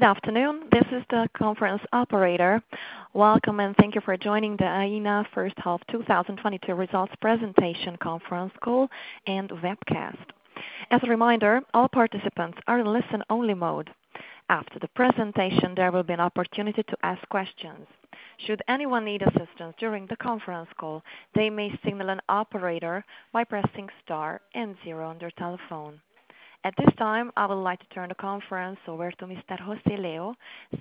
Good afternoon. This is the conference operator. Welcome, and thank you for joining the Aena first half 2022 results presentation conference call and webcast. As a reminder, all participants are in listen-only mode. After the presentation, there will be an opportunity to ask questions. Should anyone need assistance during the conference call, they may signal an operator by pressing star and zero on their telephone. At this time, I would like to turn the conference over to Mr. José Leo,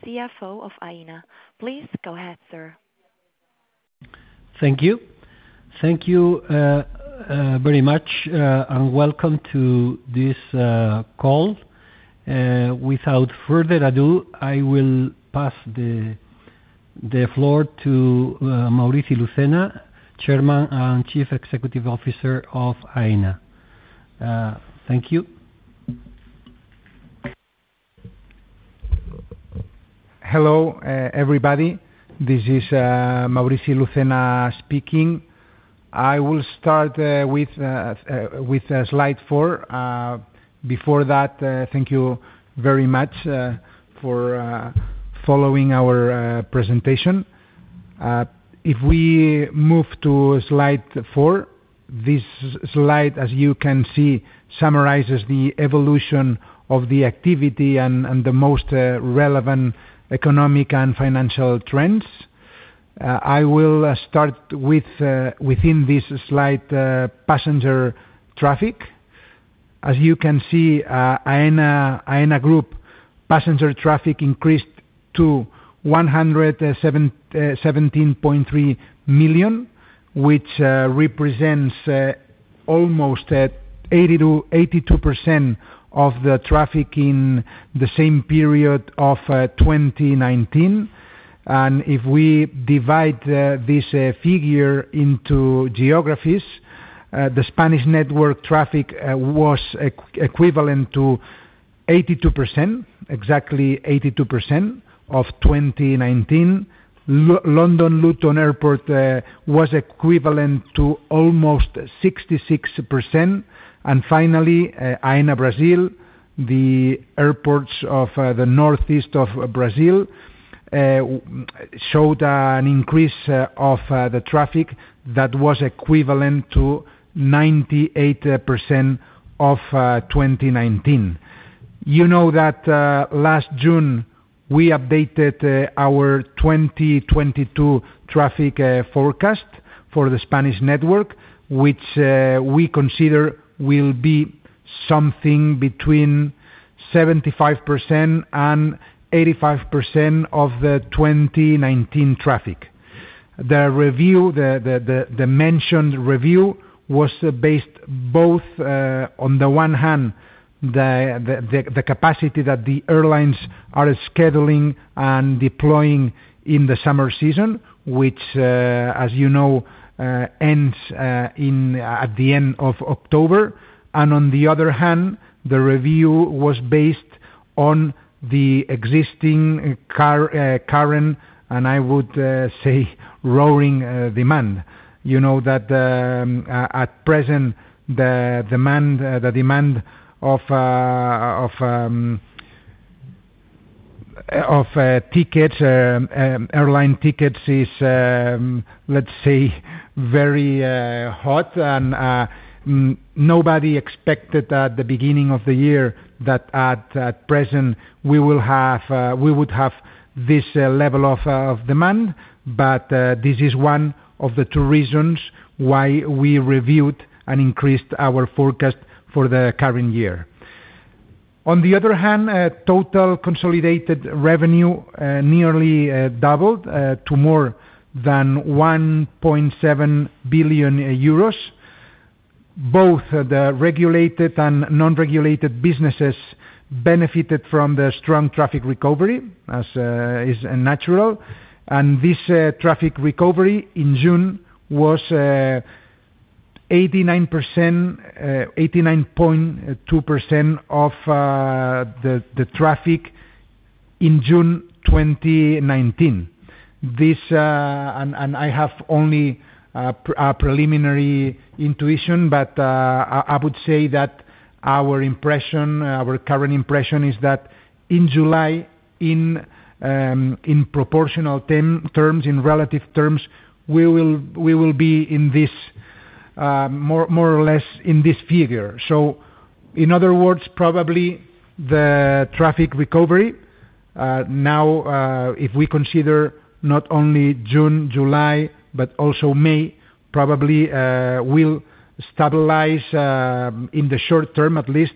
CFO of Aena. Please go ahead, sir. Thank you very much, and welcome to this call. Without further ado, I will pass the floor to Maurici Lucena, Chairman and Chief Executive Officer of Aena. Thank you. Hello, everybody. This is Maurici Lucena speaking. I will start with slide four. Before that, thank you very much for following our presentation. If we move to slide four, this slide, as you can see, summarizes the evolution of the activity and the most relevant economic and financial trends. I will start with within this slide passenger traffic. As you can see, Aena Group passenger traffic increased to 117.3 million, which represents almost 80%-82% of the traffic in the same period of 2019. If we divide this figure into geographies, the Spanish network traffic was equivalent to 82%, exactly 82% of 2019. London Luton Airport was equivalent to almost 66%. Finally, Aena Brasil, the airports of the northeast of Brazil, showed an increase of the traffic that was equivalent to 98% of 2019. You know that last June we updated our 2022 traffic forecast for the Spanish network, which we consider will be something between 75% and 85% of the 2019 traffic. The mentioned review was based both on the one hand the capacity that the airlines are scheduling and deploying in the summer season, which as you know ends at the end of October. On the other hand, the review was based on the existing current, and I would say roaring demand. You know that at present the demand of airline tickets is, let's say, very hot. Nobody expected at the beginning of the year that at present we would have this level of demand. This is one of the two reasons why we reviewed and increased our forecast for the current year. On the other hand, total consolidated revenue nearly doubled to more than 1.7 billion euros. Both the regulated and non-regulated businesses benefited from the strong traffic recovery as is natural, and this traffic recovery in June was 89.2% of the traffic in June 2019. I have only preliminary intuition, but I would say that our impression, our current impression is that in July, in proportional terms, in relative terms, we will be in this more or less in this figure. In other words, probably the traffic recovery now if we consider not only June, July, but also May, probably will stabilize in the short-term, at least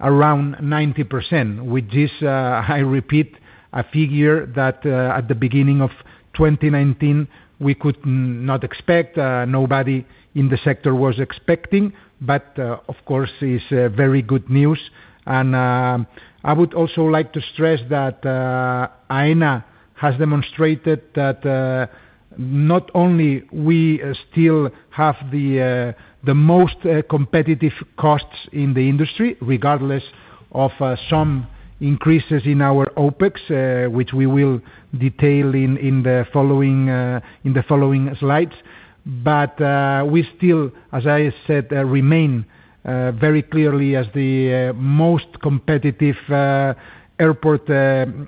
around 90%. Which is I repeat, a figure that at the beginning of 2019 we could not expect, nobody in the sector was expecting. Of course is very good news. I would also like to stress that Aena has demonstrated that not only we still have the most competitive costs in the industry, regardless of some increases in our OpEx, which we will detail in the following slides. We still, as I said, remain very clearly as the most competitive airport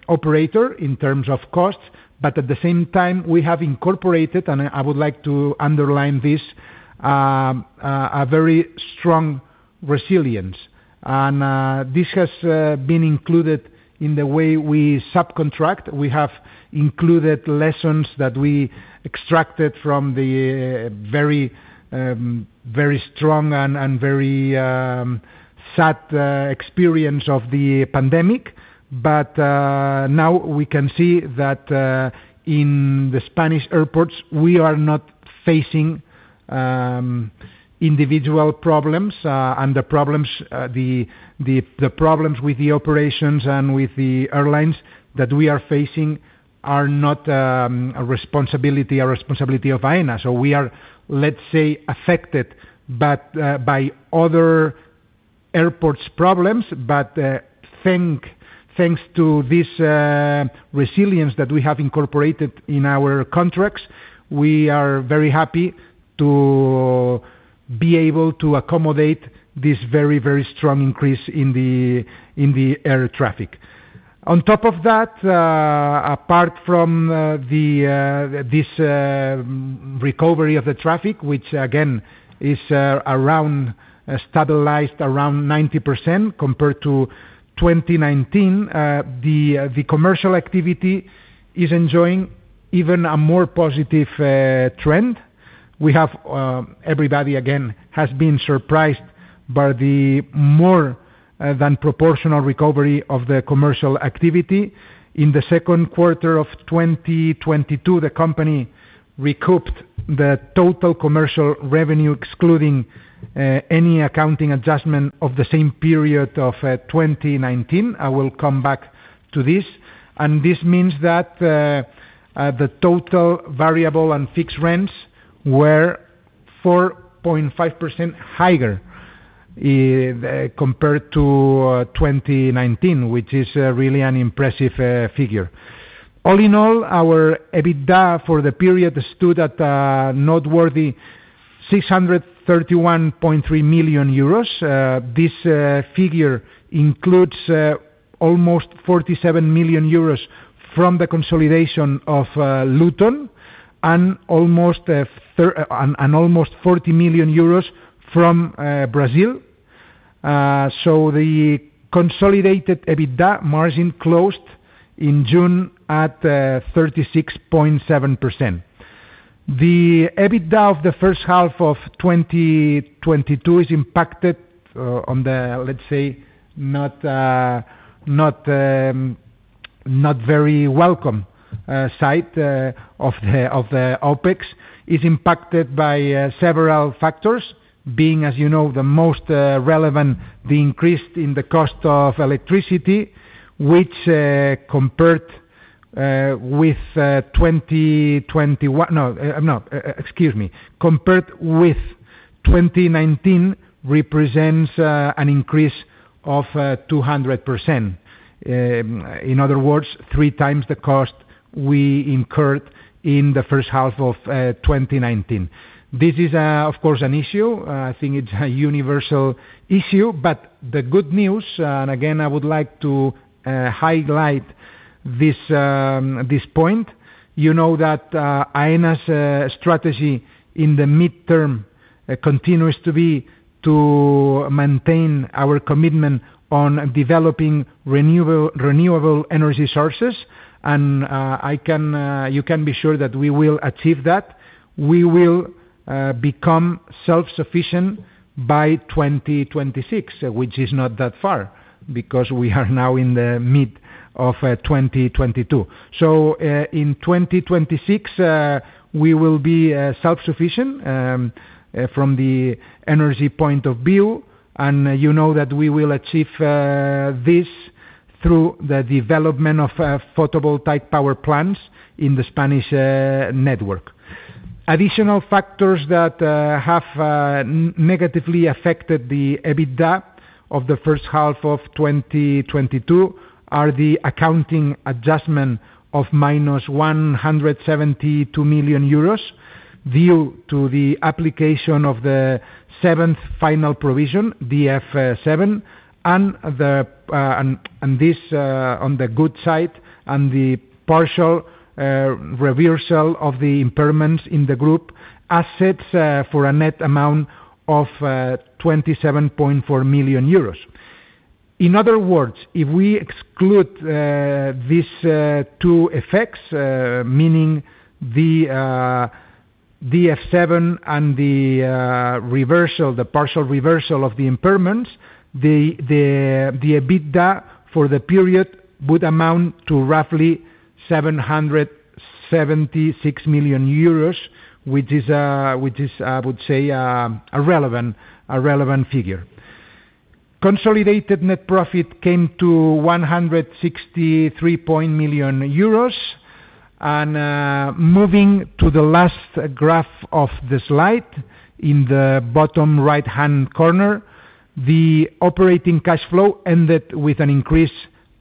operator in terms of costs. At the same time, we have incorporated, and I would like to underline this, a very strong resilience. This has been included in the way we subcontract. We have included lessons that we extracted from the very strong and very sad experience of the pandemic. Now we can see that in the Spanish airports we are not facing individual problems and the problems with the operations and with the airlines that we are facing are not a responsibility of Aena. We are, let's say, affected, but by other airports' problems. Thanks to this resilience that we have incorporated in our contracts, we are very happy to be able to accommodate this very very strong increase in the air traffic. On top of that, apart from this recovery of the traffic, which again is stabilized around 90% compared to 2019, the commercial activity is enjoying even a more positive trend. We have, everybody again has been surprised by the more than proportional recovery of the commercial activity. In the second quarter of 2022, the company recouped the total commercial revenue, excluding any accounting adjustment of the same period of 2019. I will come back to this. This means that the total variable and fixed rents were 4.5% higher compared to 2019, which is really an impressive figure. All in all, our EBITDA for the period stood at noteworthy 631.3 million euros. This figure includes almost 47 million euros from the consolidation of Luton and almost 40 million euros from Brazil. The consolidated EBITDA margin closed in June at 36.7%. The EBITDA of the first half of 2022 is impacted on the, let's say, not very welcome side of the OpEx, is impacted by several factors. Being, as you know, the most relevant, the increase in the cost of electricity, which compared with 2019 represents an increase of 200%. In other words, three times the cost we incurred in the first half of 2019. This is, of course, an issue. I think it's a universal issue. The good news, and again, I would like to highlight this point, you know that Aena's strategy in the midterm continues to be to maintain our commitment on developing renewable energy sources and, I can, you can be sure that we will achieve that. We will become self-sufficient by 2026, which is not that far because we are now in the mid of 2022. In 2026, we will be self-sufficient from the energy point of view, and you know that we will achieve this through the development of photovoltaic power plants in the Spanish network. Additional factors that have negatively affected the EBITDA of the first half of 2022 are the accounting adjustment of -172 million euros due to the application of the seventh final provision, DF7, and, on the good side, the partial reversal of the impairments in the group assets for a net amount of 27.4 million euros. In other words, if we exclude these two effects, meaning the DF7 and the partial reversal of the impairments, the EBITDA for the period would amount to roughly 776 million euros which is, I would say, a relevant figure. Consolidated net profit came to 163 million euros. Moving to the last graph of the slide in the bottom right-hand corner, the operating cash flow ended with an increase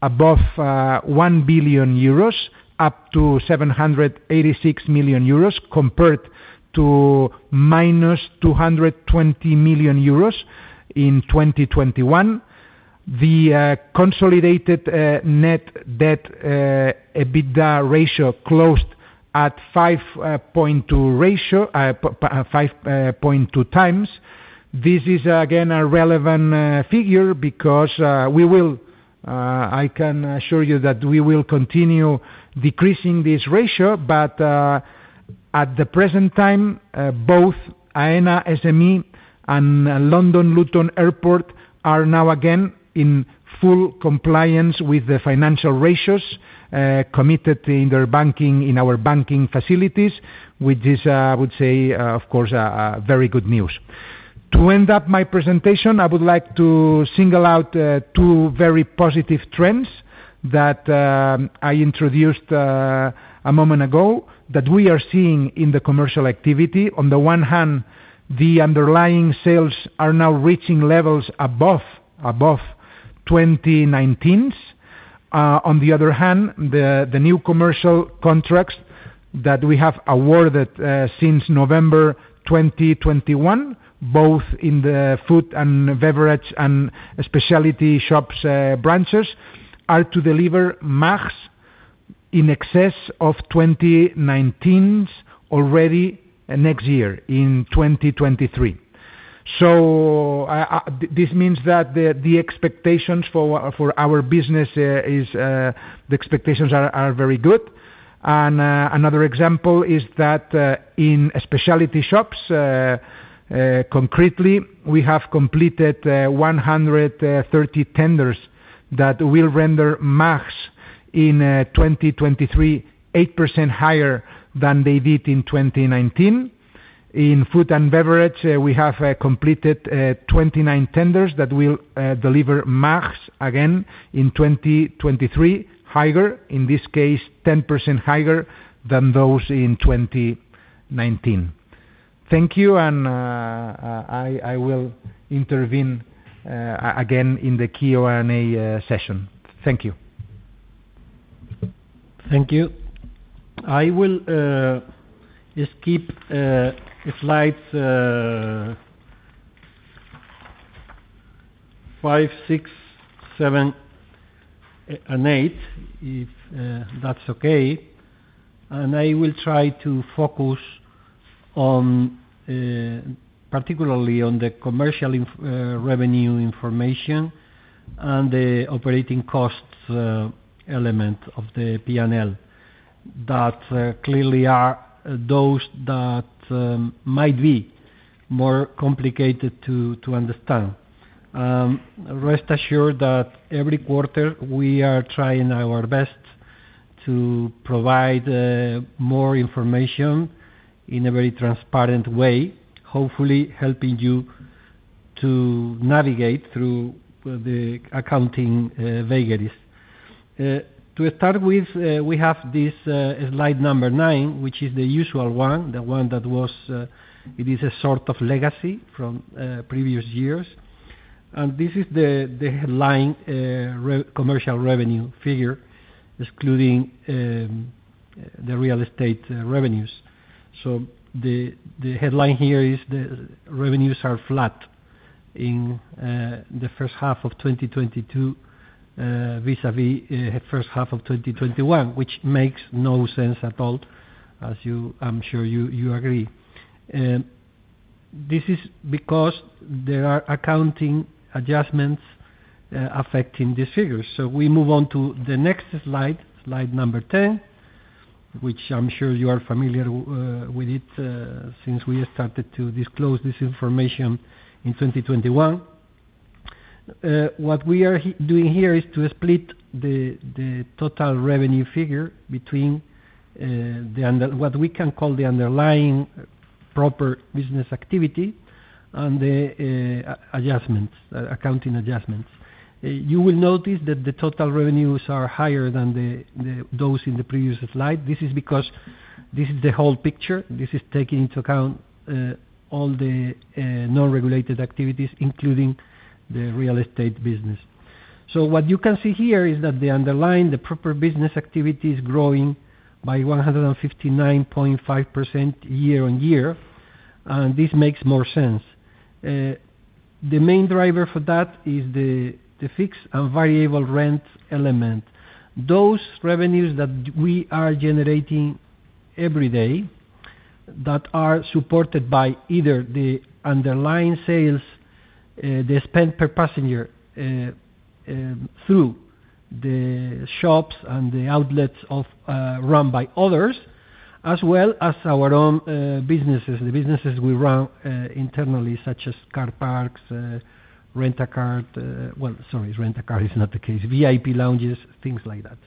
above 1 billion euros up to 786 million euros compared to -220 million euros in 2021. The consolidated net debt EBITDA ratio closed at 5.2x. This is again a relevant figure because, I can assure you that we will continue decreasing this ratio. At the present time, both Aena SME and London Luton Airport are now again in full compliance with the financial ratios committed in our banking facilities, which is, I would say, of course, a very good news. To end up my presentation, I would like to single out two very positive trends that I introduced a moment ago that we are seeing in the commercial activity. On the one hand, the underlying sales are now reaching levels above 2019's. On the other hand, the new commercial contracts that we have awarded since November 2021, both in the food and beverage and specialty shops branches, are to deliver MAGs in excess of 2019's already next year in 2023. This means that the expectations for our business are very good. Another example is that in specialty shops concretely, we have completed 130 tenders that will render MAGs in 2023, 8% higher than they did in 2019. In food and beverage, we have completed 29 tenders that will deliver MAGs again in 2023 higher, in this case, 10% higher than those in 2019. Thank you, and I will intervene again in the Q&A session. Thank you. Thank you. I will just keep slides five, six, seven, and eight, if that's okay. I will try to focus particularly on the commercial revenue information and the operating costs element of the P&L that clearly are those that might be more complicated to understand. Rest assured that every quarter we are trying our best to provide more information in a very transparent way, hopefully helping you to navigate through the accounting vagaries. To start with, we have this slide number nine, which is the usual one, a sort of legacy from previous years. This is the headline commercial revenue figure, excluding the real estate revenues. The headline here is the revenues are flat in the first half of 2022 vis-à-vis first half of 2021, which makes no sense at all. I'm sure you agree. This is because there are accounting adjustments affecting the figures. We move on to the next slide number 10, which I'm sure you are familiar with it since we started to disclose this information in 2021. What we are doing here is to split the total revenue figure between what we can call the underlying proper business activity and the adjustments, accounting adjustments. You will notice that the total revenues are higher than those in the previous slide. This is because this is the whole picture. This is taking into account all the non-regulated activities, including the real estate business. What you can see here is that the underlying proper business activity is growing by 159.5% year-over-year, and this makes more sense. The main driver for that is the fixed and variable rent element. Those revenues that we are generating every day that are supported by either the underlying sales, the spend per passenger, through the shops and the outlets run by others, as well as our own businesses, the businesses we run internally, such as car parks, rent a car. Well, sorry, rent a car is not the case. VIP Lounges, things like that.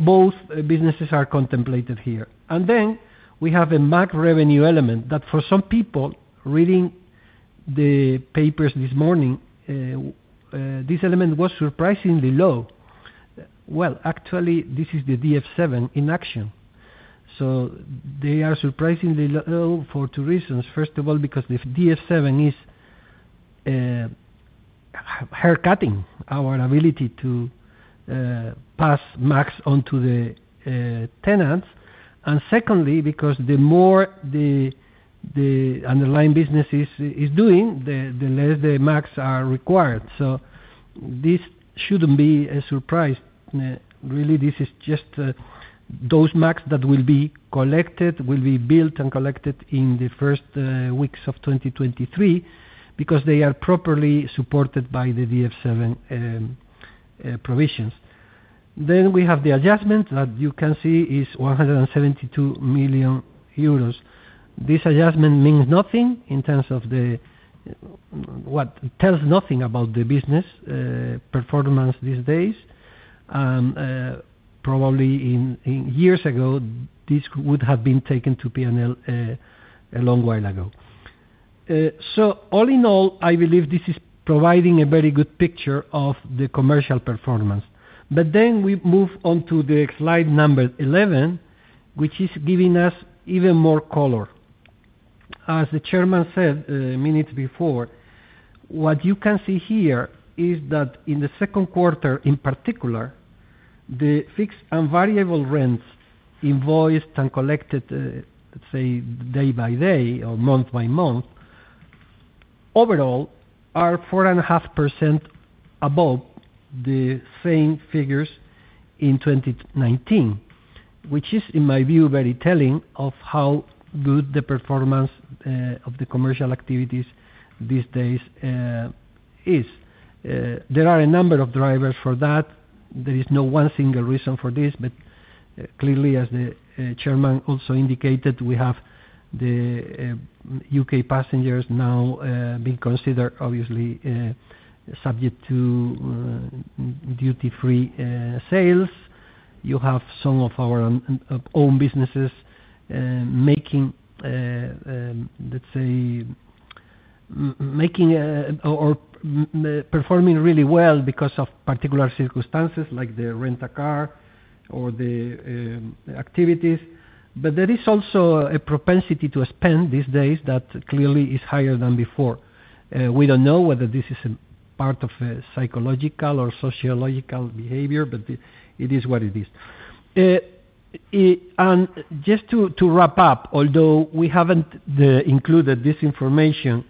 Both businesses are contemplated here. Then we have a MAG revenue element that for some people reading the papers this morning, this element was surprisingly low. Well, actually this is the DF7 in action. They are surprisingly low for two reasons. First of all, because if DF7 is haircutting our ability to pass MAGs onto the tenants. And secondly, because the more the underlying business is doing, the less the MAGs are required. This shouldn't be a surprise. Really this is just those MAGs that will be billed and collected in the first weeks of 2023 because they are properly supported by the DF7 provisions. We have the adjustment that you can see is 172 million euros. This adjustment means nothing in terms of the. What tells nothing about the business performance these days. Probably in years ago, this would have been taken to P&L a long while ago. So all in all, I believe this is providing a very good picture of the commercial performance. We move on to the slide number 11, which is giving us even more color. As the Chairman said minutes before, what you can see here is that in the second quarter, in particular, the fixed and variable rents invoiced and collected, let's say day by day or month by month, overall are 4.5% above the same figures in 2019. Which is, in my view, very telling of how good the performance of the commercial activities these days is. There are a number of drivers for that. There is no one single reason for this, but clearly as the Chairman also indicated, we have the U.K. passengers now being considered obviously subject to duty-free sales. You have some of our own businesses making, let's say, or performing really well because of particular circumstances like the rent a car or the activities. But there is also a propensity to spend these days that clearly is higher than before. We don't know whether this is a part of a psychological or sociological behavior, but it is what it is. Just to wrap up, although we haven't included this information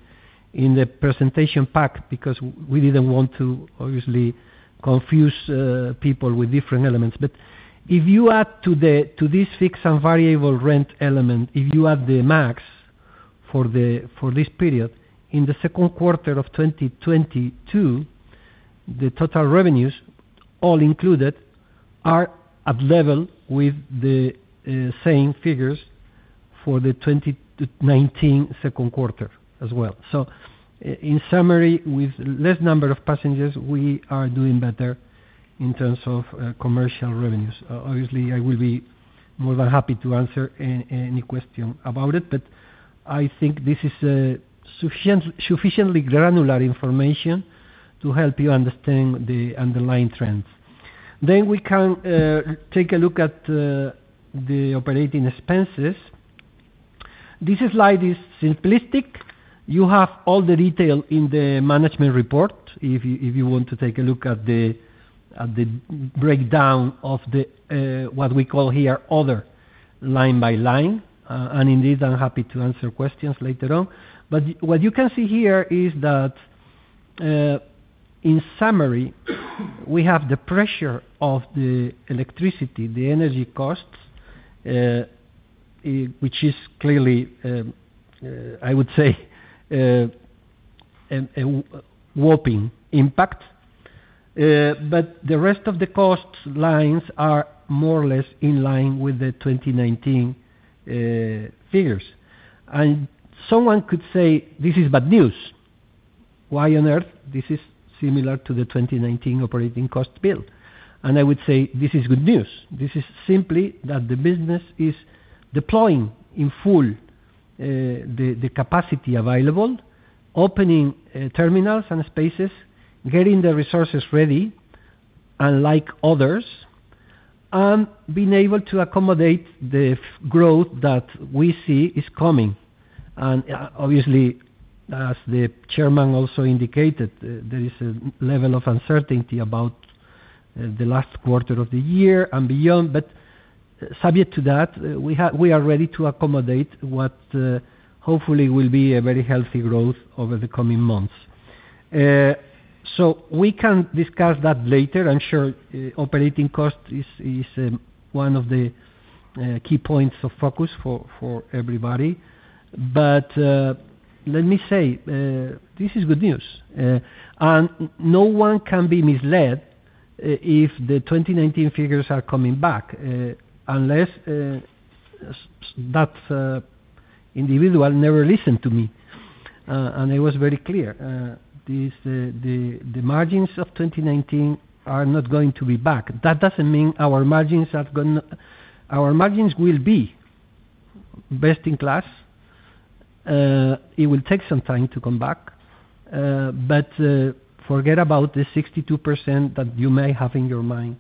in the presentation pack because we didn't want to obviously confuse people with different elements. If you add to this fixed and variable rent element, if you add the MAG for this period in the second quarter of 2022, the total revenues all included are at level with the same figures for the 2019 second quarter as well. In summary, with less number of passengers, we are doing better in terms of commercial revenues. Obviously, I will be more than happy to answer any question about it, but I think this is sufficiently granular information to help you understand the underlying trends. We can take a look at the operating expenses. This slide is simplistic. You have all the detail in the management report, if you want to take a look at the breakdown of what we call here other line by line. Indeed, I'm happy to answer questions later on. What you can see here is that, in summary, we have the pressure of the electricity, the energy costs, which is clearly, I would say, a whopping impact. The rest of the cost lines are more or less in line with the 2019 figures. Someone could say, "This is bad news. Why on earth this is similar to the 2019 operating cost bill?" I would say, "This is good news." This is simply that the business is deploying in full, the capacity available, opening terminals and spaces, getting the resources ready, unlike others, and being able to accommodate the growth that we see is coming. Obviously, as the chairman also indicated, there is a level of uncertainty about the last quarter of the year and beyond. Subject to that, we are ready to accommodate what hopefully will be a very healthy growth over the coming months. We can discuss that later. I'm sure operating cost is one of the key points of focus for everybody. Let me say this is good news and no one can be misled if the 2019 figures are coming back unless that individual never listened to me. I was very clear, this, the margins of 2019 are not going to be back. That doesn't mean our margins have gone. Our margins will be best in class. It will take some time to come back. Forget about the 62% that you may have in your mind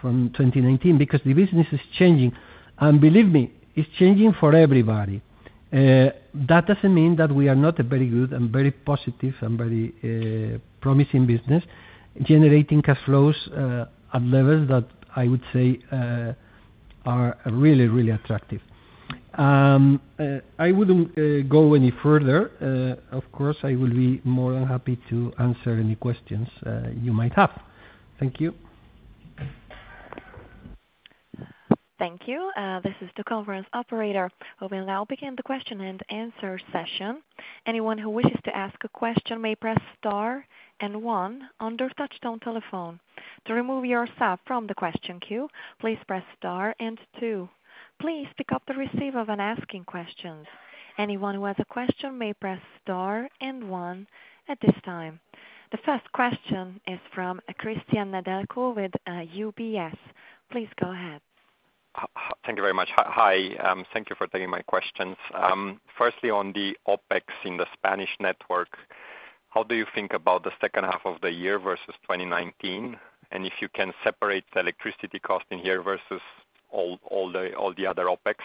from 2019, because the business is changing. Believe me, it's changing for everybody. That doesn't mean that we are not a very good and very positive and very promising business, generating cash flows at levels that I would say are really, really attractive. I wouldn't go any further. Of course, I will be more than happy to answer any questions you might have. Thank you. Thank you. This is the conference operator. We will now begin the question-and-answer session. Anyone who wishes to ask a question may press star and one on their touchtone telephone. To remove yourself from the question queue, please press star and two. Please pick up the receiver when asking questions. Anyone who has a question may press star and one at this time. The first question is from Cristian Nedelcu with UBS. Please go ahead. Thank you very much. Hi. Thank you for taking my questions. Firstly, on the OpEx in the Spanish network, how do you think about the second half of the year versus 2019? If you can separate the electricity cost in here versus all the other OpEx.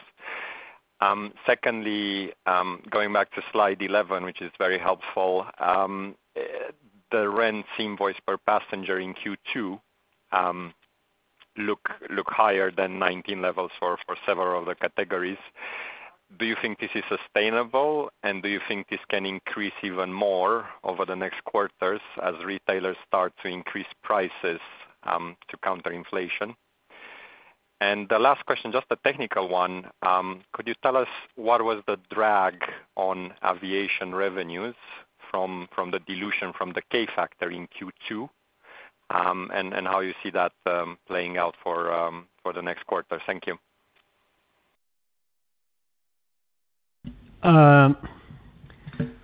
Secondly, going back to slide 11, which is very helpful, the revenue per passenger in Q2 looks higher than 2019 levels for several of the categories. Do you think this is sustainable? Do you think this can increase even more over the next quarters as retailers start to increase prices to counter inflation? The last question, just a technical one, could you tell us what was the drag on aviation revenues from the dilution from the K factor in Q2, and how you see that playing out for the next quarter? Thank you.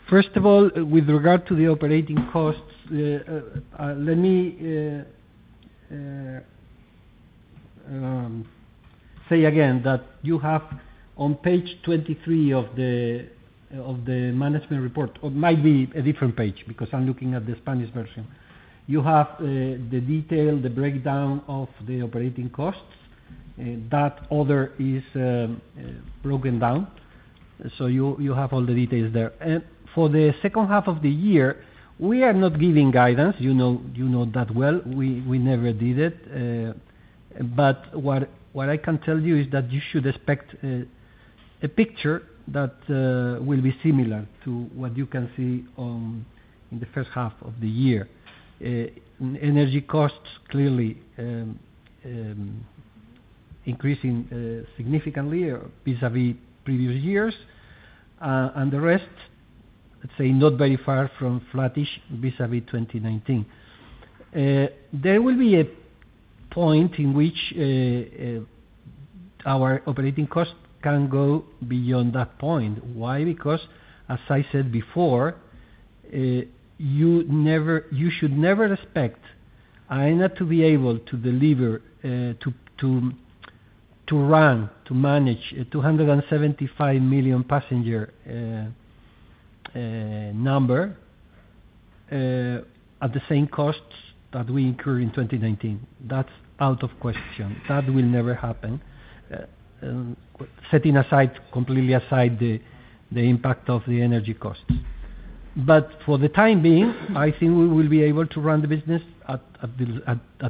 First of all, with regard to the operating costs, let me say again that you have on page 23 of the management report, or it might be a different page because I'm looking at the Spanish version. You have the detail, the breakdown of the operating costs. That order is broken down. So you have all the details there. For the second half of the year, we are not giving guidance. You know that well. We never did it. But what I can tell you is that you should expect a picture that will be similar to what you can see in the first half of the year. Energy costs, clearly, increasing significantly vis-à-vis previous years. The rest, let's say not very far from flattish vis-à-vis 2019. There will be a point in which our operating cost can go beyond that point. Why? Because, as I said before, you never, you should never expect Aena to be able to deliver to run to manage a 275 million passenger number at the same costs that we incur in 2019. That's out of question. That will never happen. Setting completely aside the impact of the energy costs. For the time being, I think we will be able to run the business at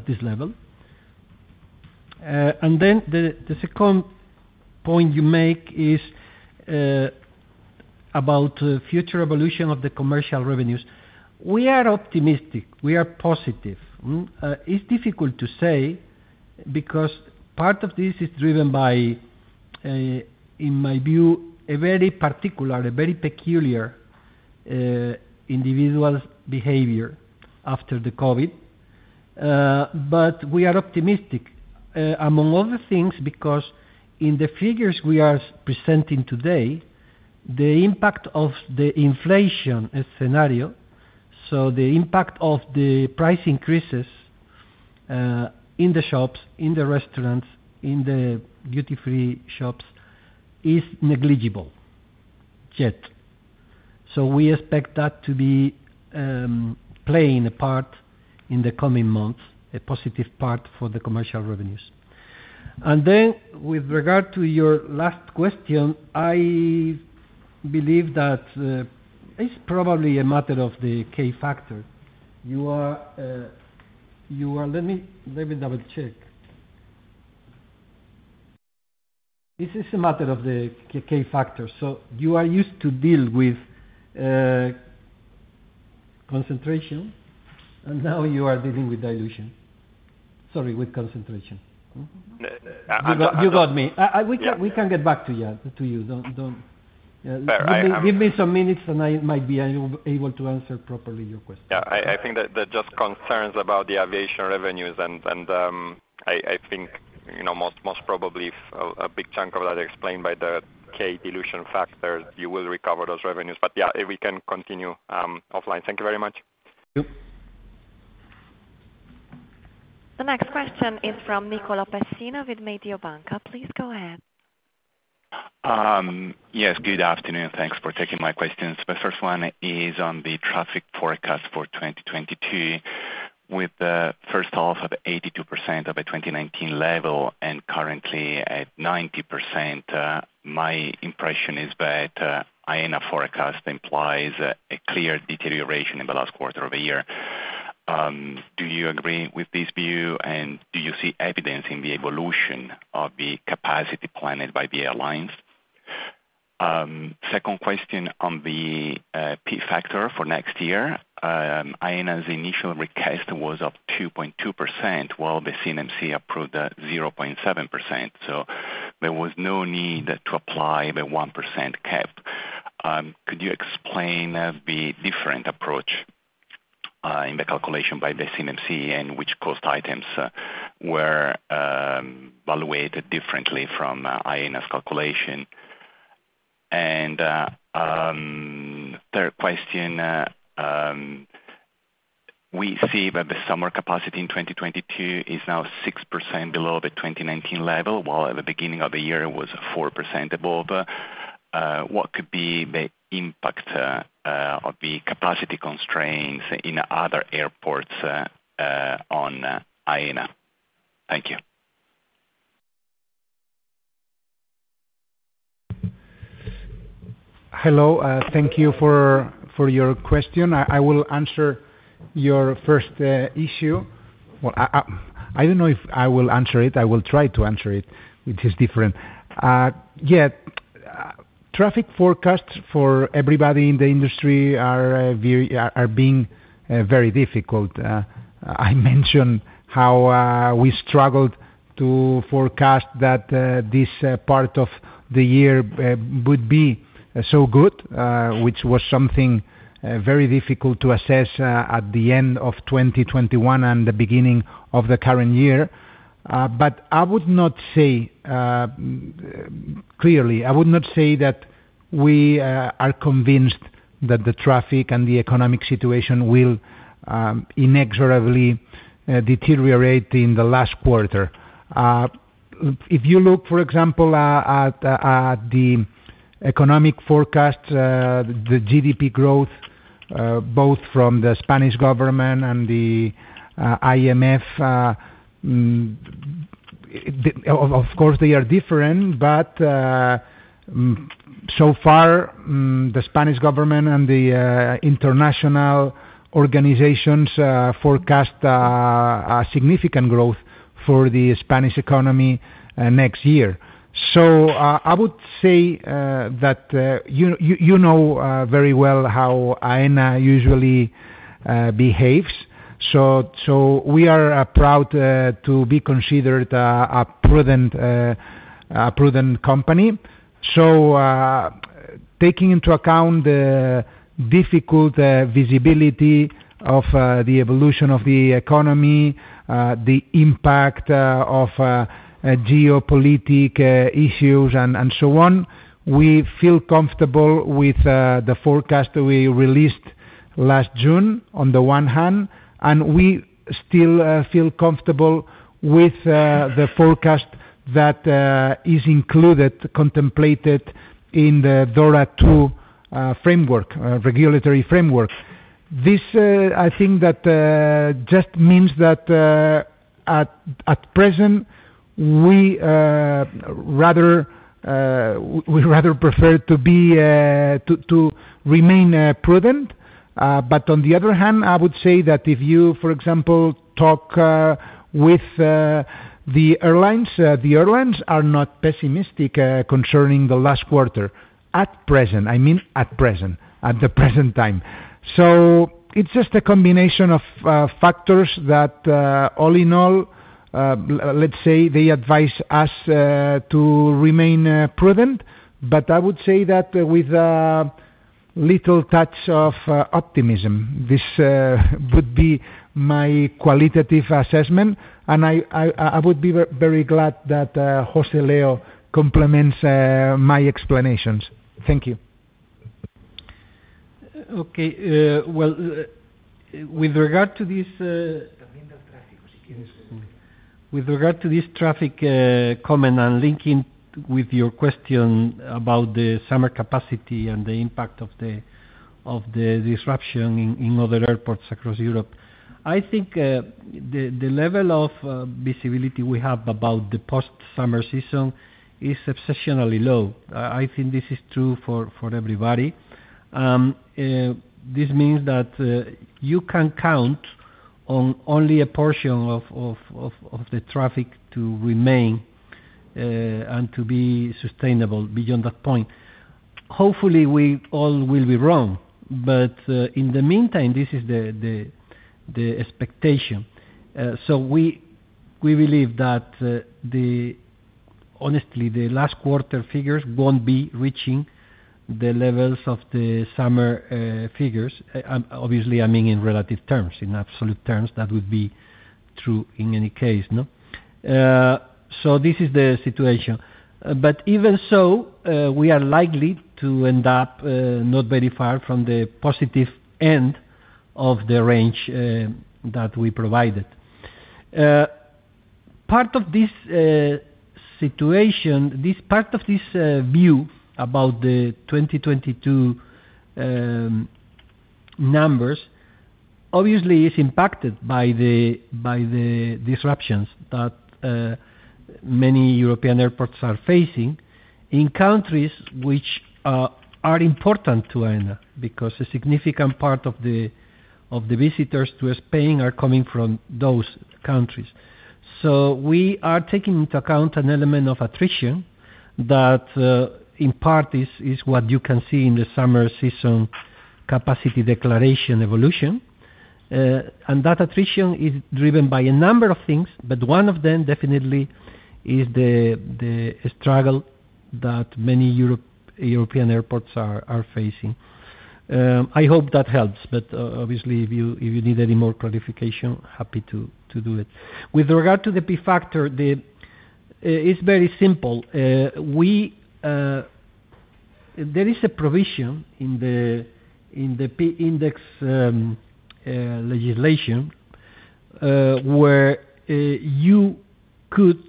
this level. Then the second point you make is about the future evolution of the commercial revenues. We are optimistic. We are positive. It's difficult to say, because part of this is driven by, in my view, a very particular, a very peculiar, individual behavior after the COVID. We are optimistic, among other things, because in the figures we are presenting today, the impact of the inflation scenario, so the impact of the price increases, in the shops, in the restaurants, in the duty-free shops, is negligible, yet. We expect that to be playing a part in the coming months, a positive part for the commercial revenues. Then with regard to your last question, I believe that, it's probably a matter of the K factor. You are. Let me double-check. This is a matter of the K factor. You are used to deal with concentration, and now you are dealing with dilution. Sorry, with concentration. I've got. You got me. Yeah. We can get back to you. All right. Give me some minutes, and I might be able to answer properly your question. Yeah. I think that just concerns about the aviation revenues and I think, you know, most probably a big chunk of that explained by the K dilution factor, you will recover those revenues. Yeah, we can continue offline. Thank you very much. Thank you. The next question is from Nicolò Pessina with Mediobanca. Please go ahead. Yes, good afternoon. Thanks for taking my questions. The first one is on the traffic forecast for 2022 with the first half of 82% of the 2019 level and currently at 90%. My impression is that Aena forecast implies a clear deterioration in the last quarter of the year. Do you agree with this view? Do you see evidence in the evolution of the capacity planned by the alliance? Second question on the P factor for next year. Aena's initial request was of 2.2%, while the CNMC approved at 0.7%, so there was no need to apply the 1% cap. Could you explain the different approach in the calculation by the CNMC and which cost items were evaluated differently from Aena's calculation? Third question, we see that the summer capacity in 2022 is now 6% below the 2019 level, while at the beginning of the year it was 4% above. What could be the impact of the capacity constraints in other airports on Aena? Thank you. Hello. Thank you for your question. I will answer your first issue. Well, I don't know if I will answer it. I will try to answer it, which is different. Traffic forecasts for everybody in the industry are being very difficult. I mentioned how we struggled to forecast that this part of the year would be so good, which was something very difficult to assess, at the end of 2021 and the beginning of the current year. I would not say clearly that we are convinced that the traffic and the economic situation will inexorably deteriorate in the last quarter. If you look, for example, at the economic forecast, the GDP growth, both from the Spanish government and the IMF, of course they are different, but so far, the Spanish government and the international organizations forecast a significant growth for the Spanish economy next year. I would say that you know very well how Aena usually behaves. We are proud to be considered a prudent company. Taking into account the difficult visibility of the evolution of the economy, the impact of geopolitical issues and so on, we feel comfortable with the forecast we released last June on the one hand, and we still feel comfortable with the forecast that is contemplated in the DORA II regulatory framework. This, I think, just means that at present, we'd rather remain prudent. On the other hand, I would say that if you, for example, talk with the airlines, the airlines are not pessimistic concerning the last quarter at present. I mean, at present. It's just a combination of factors that, all in all, let's say they advise us to remain prudent, but I would say that with a little touch of optimism. This would be my qualitative assessment, and I would be very glad that José Leo complements my explanations. Thank you. Okay. Well, with regard to this traffic comment and linking with your question about the summer capacity and the impact of the disruption in other airports across Europe, I think the level of visibility we have about the post-summer season is exceptionally low. I think this is true for everybody. This means that you can count on only a portion of the traffic to remain and to be sustainable beyond that point. Hopefully, we all will be wrong, but in the meantime, this is the expectation. We believe that, honestly, the last quarter figures won't be reaching the levels of the summer figures. Obviously, I mean, in relative terms. In absolute terms, that would be true in any case, no? This is the situation. Even so, we are likely to end up not very far from the positive end of the range that we provided. Part of this situation, part of this view about the 2022 numbers obviously is impacted by the disruptions that many European airports are facing in countries which are important to Aena, because a significant part of the visitors to Spain are coming from those countries. We are taking into account an element of attrition that in part is what you can see in the summer season capacity declaration evolution. That attrition is driven by a number of things, but one of them definitely is the struggle that many European airports are facing. I hope that helps, obviously, if you need any more clarification, happy to do it. With regard to the P factor, it's very simple. There is a provision in the P index legislation, where you could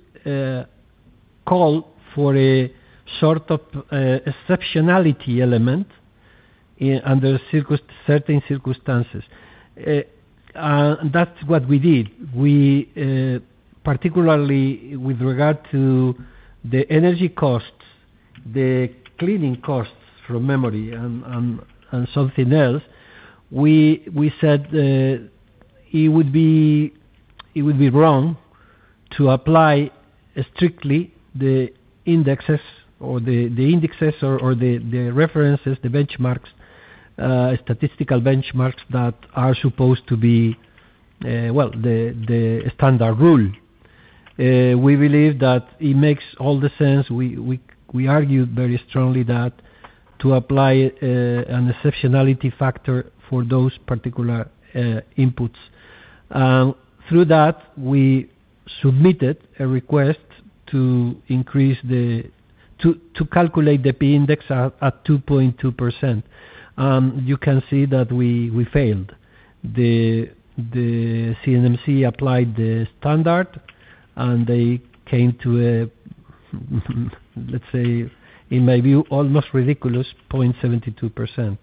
call for a sort of exceptionality element under certain circumstances. That's what we did. We particularly with regard to the energy costs, the cleaning costs from memory and something else, we said it would be wrong to apply strictly the indexes or the references, the benchmarks, statistical benchmarks that are supposed to be the standard rule. We believe that it makes all the sense. We argued very strongly that to apply an exceptionality factor for those particular inputs. Through that, we submitted a request to calculate the P index at 2.2%. You can see that we failed. The CNMC applied the standard, and they came to a, let's say, in my view, almost ridiculous 0.72%.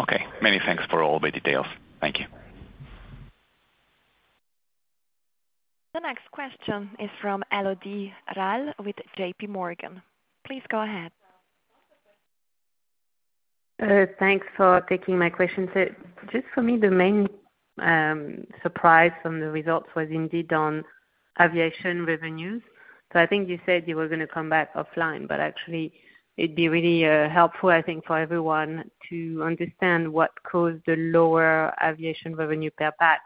Okay. Many thanks for all the details. Thank you. The next question is from Elodie Rall with JPMorgan. Please go ahead. Thanks for taking my question, sir. Just for me, the main surprise from the results was indeed on aviation revenues. I think you said you were gonna come back offline, but actually it'd be really helpful, I think, for everyone to understand what caused the lower aviation revenue per pax.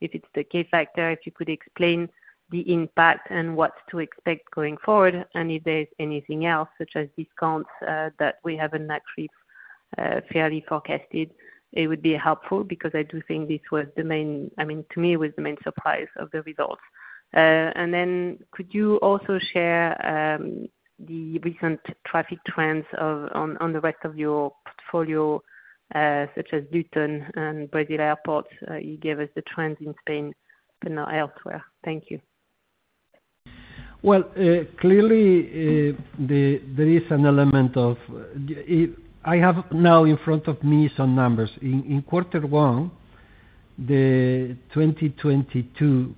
If it's the K-factor, if you could explain the impact and what to expect going forward, and if there's anything else such as discounts that we haven't actually fairly forecasted, it would be helpful because I do think this was the main surprise of the results. I mean, to me, it was the main surprise of the results. Could you also share the recent traffic trends on the rest of your portfolio, such as Luton and Brazil airports? You gave us the trends in Spain, but not elsewhere. Thank you. Well, clearly, there is an element of. I have now in front of me some numbers. In quarter one, 2022,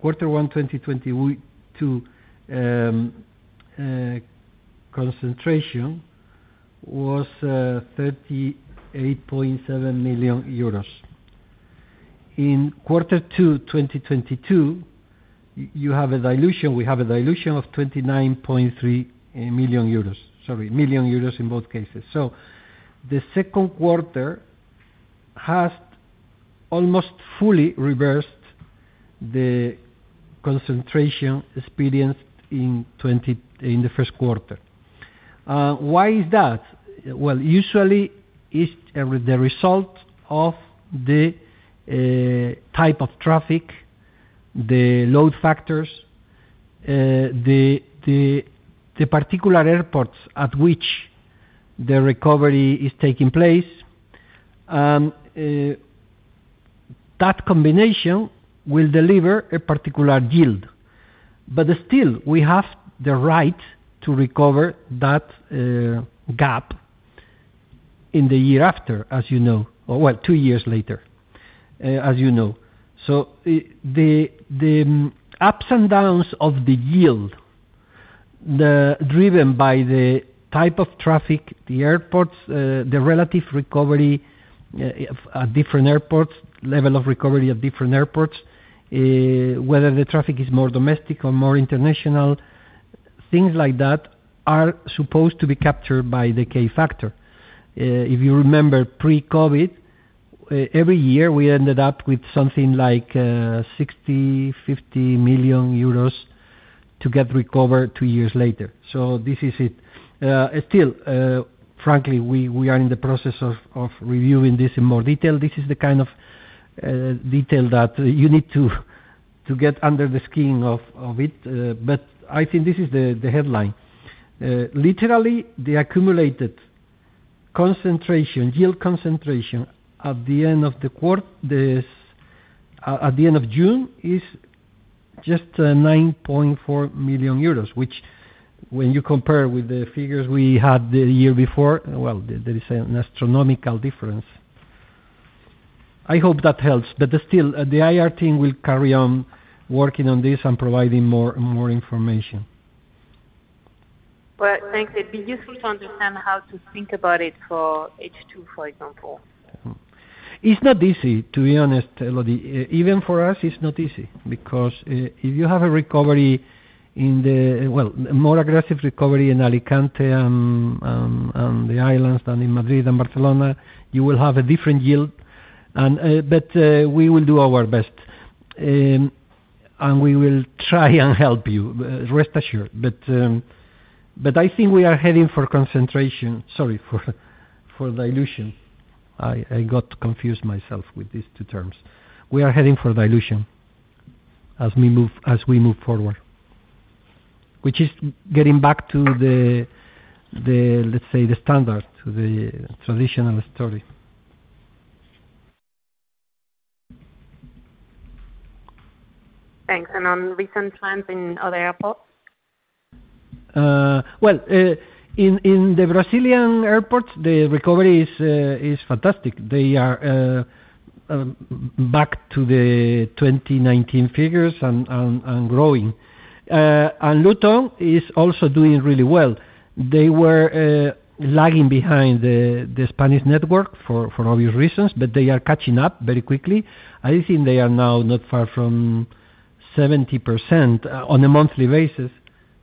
quarter one 2020 week two, concentration was EUR 38.7 million. In quarter two, 2022, you have a dilution. We have a dilution of 29.3 million euros. Sorry, million euros in both cases. The second quarter has almost fully reversed the concentration experienced in the first quarter. Why is that? Well, usually it's the result of the type of traffic, the load factors, the particular airports at which the recovery is taking place. That combination will deliver a particular yield. Still, we have the right to recover that gap in the year after, as you know. Well, two years later, as you know. The ups and downs of the yield driven by the type of traffic, the airports, the relative recovery at different airports, level of recovery at different airports, whether the traffic is more domestic or more international, things like that are supposed to be captured by the K factor. If you remember pre-COVID, every year, we ended up with something like 60, 50 million euros to get recovered two years later. This is it. Still, frankly, we are in the process of reviewing this in more detail. This is the kind of detail that you need to get under the scheme of it. But I think this is the headline. Literally, the accumulated concentration yield concentration at the end of June is just 9.4 million euros, which when you compare with the figures we had the year before, well, there is an astronomical difference. I hope that helps. Still, the IR team will carry on working on this and providing more information. Well, thanks. It'd be useful to understand how to think about it for H2, for example. It's not easy, to be honest, Elodie. Even for us, it's not easy, because if you have a more aggressive recovery in Alicante, the islands than in Madrid and Barcelona, you will have a different yield. We will do our best. We will try and help you, rest assured. I think we are heading for concentration. Sorry, for dilution. I got confused myself with these two terms. We are heading for dilution as we move forward, which is getting back to the, let's say, standard to the traditional story. Thanks. On recent trends in other airports? Well, in the Brazilian airports, the recovery is fantastic. They are back to the 2019 figures and growing. Luton is also doing really well. They were lagging behind the Spanish network for obvious reasons, but they are catching up very quickly. I think they are now not far from 70% on a monthly basis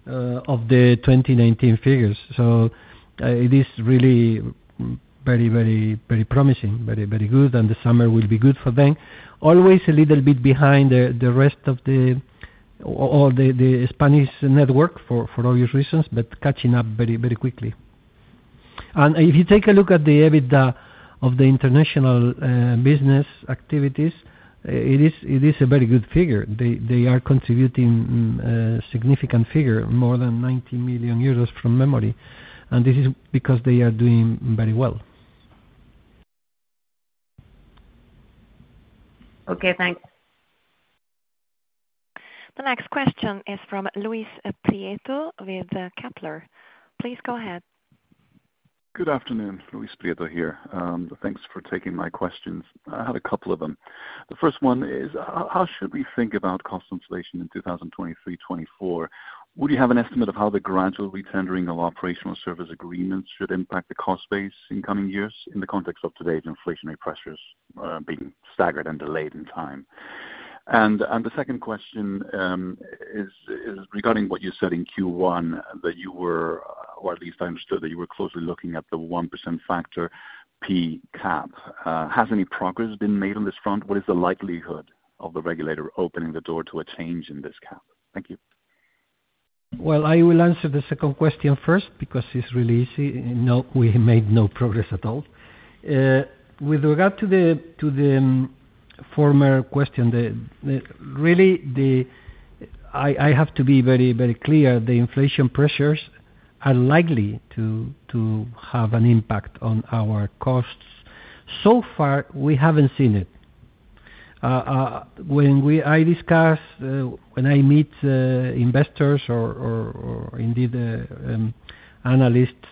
of the 2019 figures. It is really very promising, very good, and the summer will be good for them. Always a little bit behind the rest of the Spanish network for obvious reasons, but catching up very quickly. If you take a look at the EBITDA of the international business activities, it is a very good figure. They are contributing significant figure, more than 90 million euros from memory, and this is because they are doing very well. Okay, thanks. The next question is from Luis Prieto with Kepler. Please go ahead. Good afternoon. Luis Prieto here. Thanks for taking my questions. I have a couple of them. The first one is, how should we think about cost inflation in 2023, 2024? Would you have an estimate of how the gradual retendering of operational service agreements should impact the cost base in coming years in the context of today's inflationary pressures, being staggered and delayed in time? The second question is regarding what you said in Q1, that you were, or at least I understood, that you were closely looking at the 1% P factor cap. Has any progress been made on this front? What is the likelihood of the regulator opening the door to a change in this cap? Thank you. Well, I will answer the second question first because it's really easy. No, we made no progress at all. With regard to the former question, I have to be very clear. The inflation pressures are likely to have an impact on our costs. So far, we haven't seen it. When I meet investors or indeed analysts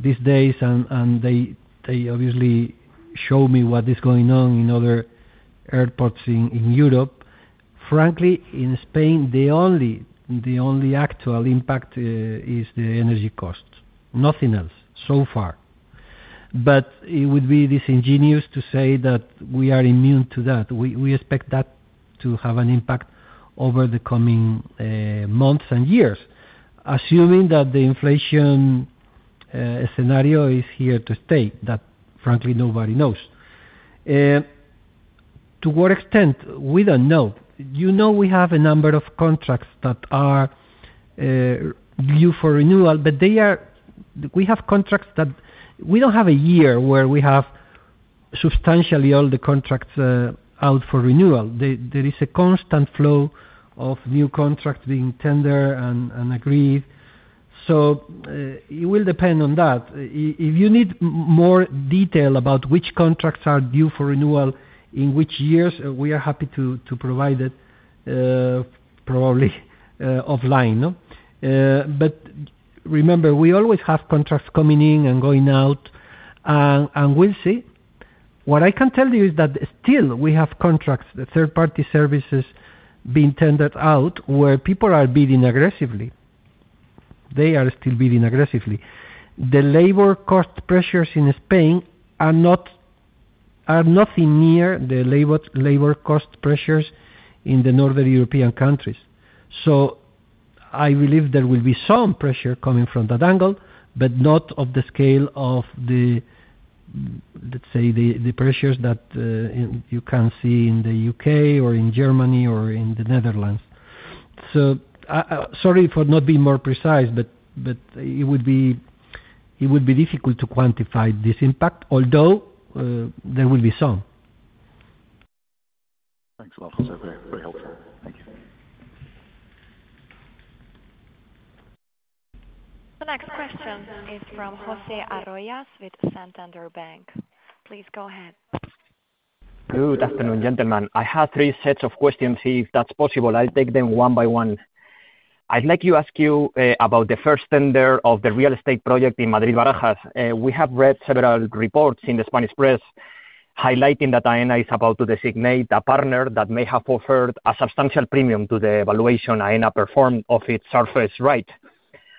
these days and they obviously show me what is going on in other airports in Europe, frankly in Spain, the only actual impact is the energy costs. Nothing else so far. It would be disingenuous to say that we are immune to that. We expect that to have an impact over the coming months and years, assuming that the inflation scenario is here to stay, that frankly, nobody knows. To what extent? We don't know. You know we have a number of contracts that are due for renewal, but we don't have a year where we have substantially all the contracts out for renewal. There is a constant flow of new contracts being tendered and agreed. It will depend on that. If you need more detail about which contracts are due for renewal in which years, we are happy to provide it, probably offline. Remember, we always have contracts coming in and going out, and we'll see. What I can tell you is that still we have contracts, the third-party services being tendered out, where people are bidding aggressively. They are still bidding aggressively. The labor cost pressures in Spain are nothing near the labor cost pressures in the northern European countries. I believe there will be some pressure coming from that angle, but not of the scale of, let's say, the pressures that you can see in the U.K. or in Germany or in the Netherlands. Sorry for not being more precise, but it would be difficult to quantify this impact, although there will be some. Thanks a lot. That's very, very helpful. Thank you. The next question is from José Arroyas with Santander Bank. Please go ahead. Good afternoon, gentlemen. I have three sets of questions, if that's possible. I'll take them one by one. I'd like to ask you about the first tender of the real estate project in Madrid-Barajas. We have read several reports in the Spanish press highlighting that Aena is about to designate a partner that may have offered a substantial premium to the evaluation Aena performed of its surface right.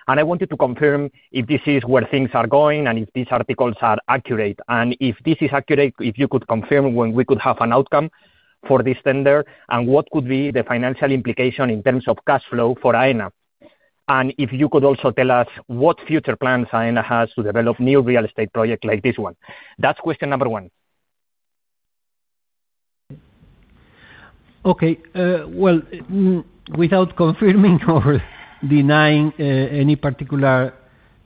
I wanted to confirm if this is where things are going and if these articles are accurate. If this is accurate, if you could confirm when we could have an outcome for this tender, and what could be the financial implication in terms of cash flow for Aena. If you could also tell us what future plans Aena has to develop new real estate projects like this one. That's question number one. Well, without confirming or denying any particular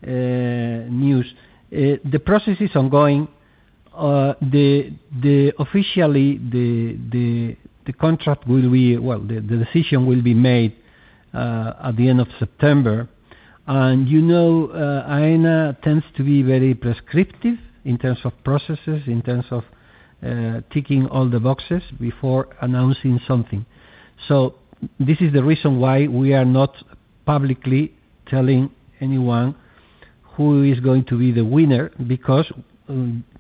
news, the process is ongoing. The decision will be made at the end of September. You know, Aena tends to be very prescriptive in terms of processes, in terms of ticking all the boxes before announcing something. This is the reason why we are not publicly telling anyone who is going to be the winner, because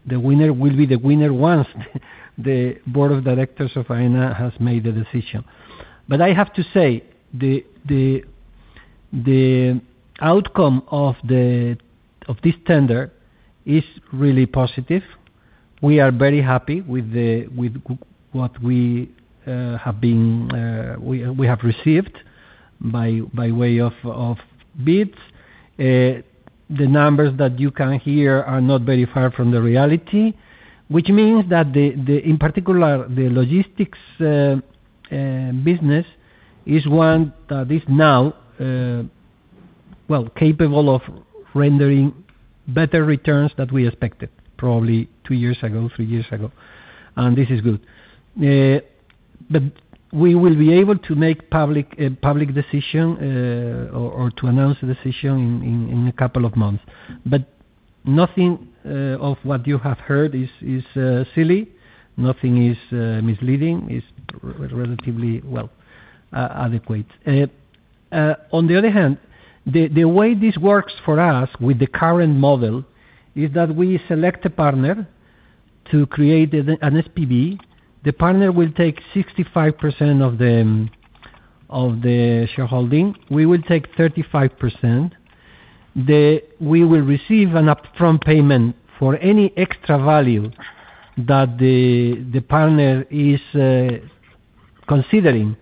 the winner will be the winner once the board of directors of Aena has made the decision. I have to say, the outcome of this tender is really positive. We are very happy with what we have received by way of bids. The numbers that you can hear are not very far from the reality, which means that in particular, the logistics business is one that is now well capable of rendering better returns than we expected probably two years ago, three years ago, and this is good. We will be able to make public a public decision or to announce a decision in a couple of months. Nothing of what you have heard is silly, nothing is misleading. It's relatively well adequate. On the other hand, the way this works for us with the current model is that we select a partner to create an SPV. The partner will take 65% of the shareholding, we will take 35%. We will receive an upfront payment for any extra value that the partner is considering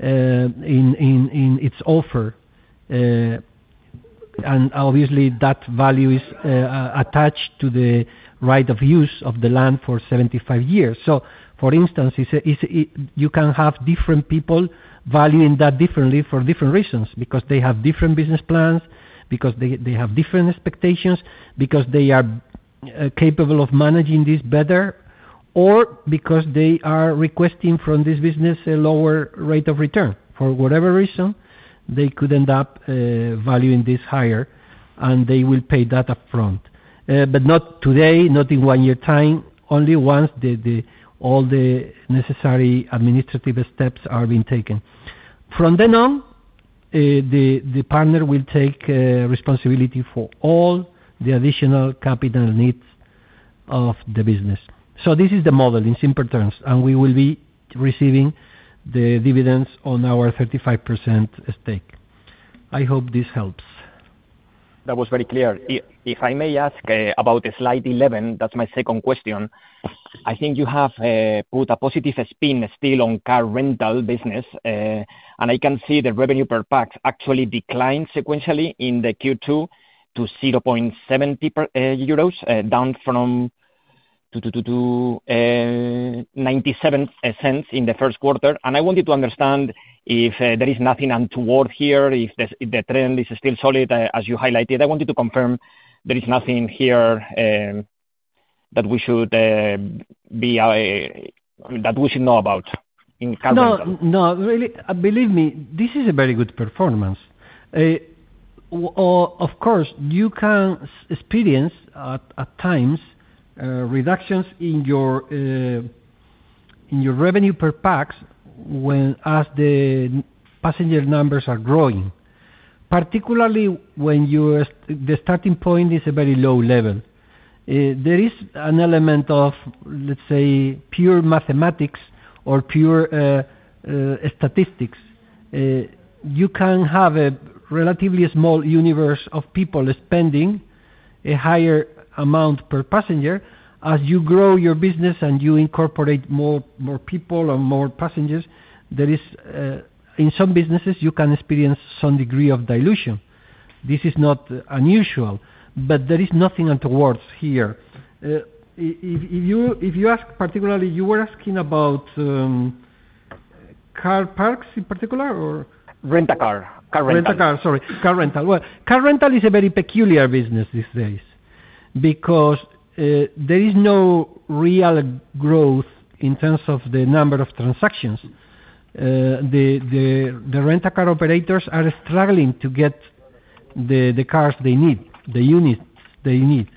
in its offer. Obviously that value is attached to the right of use of the land for 75 years. For instance, it's. You can have different people valuing that differently for different reasons, because they have different business plans, because they have different expectations, because they are capable of managing this better or because they are requesting from this business a lower rate of return. For whatever reason, they could end up valuing this higher, and they will pay that upfront. Not today, not in one year time, only once all the necessary administrative steps are being taken. From then on, the partner will take responsibility for all the additional capital needs of the business. This is the model in simple terms, and we will be receiving the dividends on our 35% stake. I hope this helps. That was very clear. If I may ask about the slide 11, that's my second question. I think you have put a positive spin still on car rental business. I can see the revenue per pax actually declined sequentially in the Q2 to 0.7 euros, down from 0.97 in the first quarter. I wanted to understand if there is nothing untoward here, if the trend is still solid as you highlighted. I wanted to confirm there is nothing here that we should know about in car rental. No, no, really, believe me, this is a very good performance. Of course, you can experience at times reductions in your revenue per pax when, as the passenger numbers are growing, particularly when the starting point is a very low level. There is an element of, let's say, pure mathematics or pure statistics. You can have a relatively small universe of people spending a higher amount per passenger. As you grow your business and you incorporate more people or more passengers, there is. In some businesses, you can experience some degree of dilution. This is not unusual, but there is nothing untowards here. If you ask particularly, you were asking about car parks in particular or? Rent a car. Car rental. Rent a car, sorry. Car rental. Well, car rental is a very peculiar business these days because there is no real growth in terms of the number of transactions. The rent a car operators are struggling to get the cars they need, the units they need.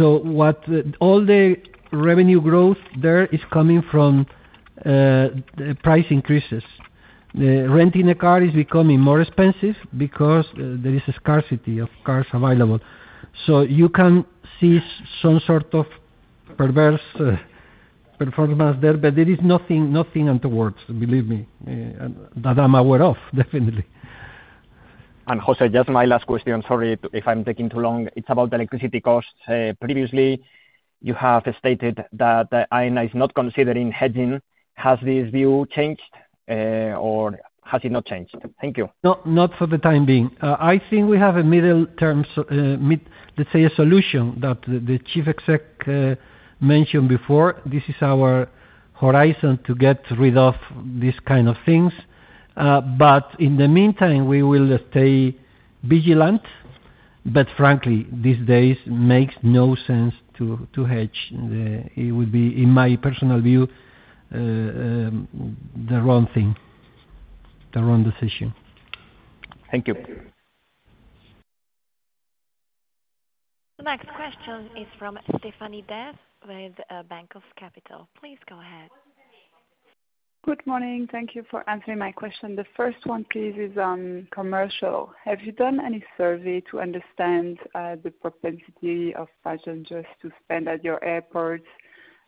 All the revenue growth there is coming from price increases. Renting a car is becoming more expensive because there is a scarcity of cars available. You can see some sort of perverse performance there, but there is nothing untoward, believe me, that I'm aware of, definitely. José, just my last question. Sorry if I'm taking too long. It's about the electricity costs. Previously, you have stated that Aena is not considering hedging. Has this view changed, or has it not changed? Thank you. No, not for the time being. I think we have a medium-term. Let's say a solution that the chief exec mentioned before. This is our horizon to get rid of these kind of things. In the meantime, we will stay vigilant. Frankly, it makes no sense these days to hedge. It would be, in my personal view, the wrong thing, the wrong decision. Thank you. The next question is from Stéphanie D'Ath with Bank of Capital. Please go ahead. Good morning. Thank you for answering my question. The first one, please, is on commercial. Have you done any survey to understand the propensity of passengers to spend at your airports?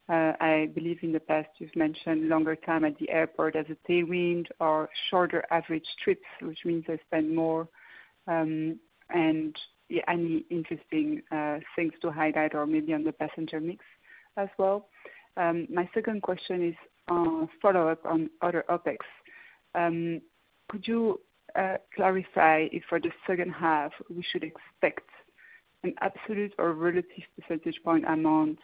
I believe in the past you've mentioned longer time at the airport as a tailwind or shorter average trips, which means they spend more, and any interesting things to highlight or maybe on the passenger mix as well. My second question is a follow-up on other OpEx. Could you clarify if for the second half we should expect an absolute or relative percentage point amount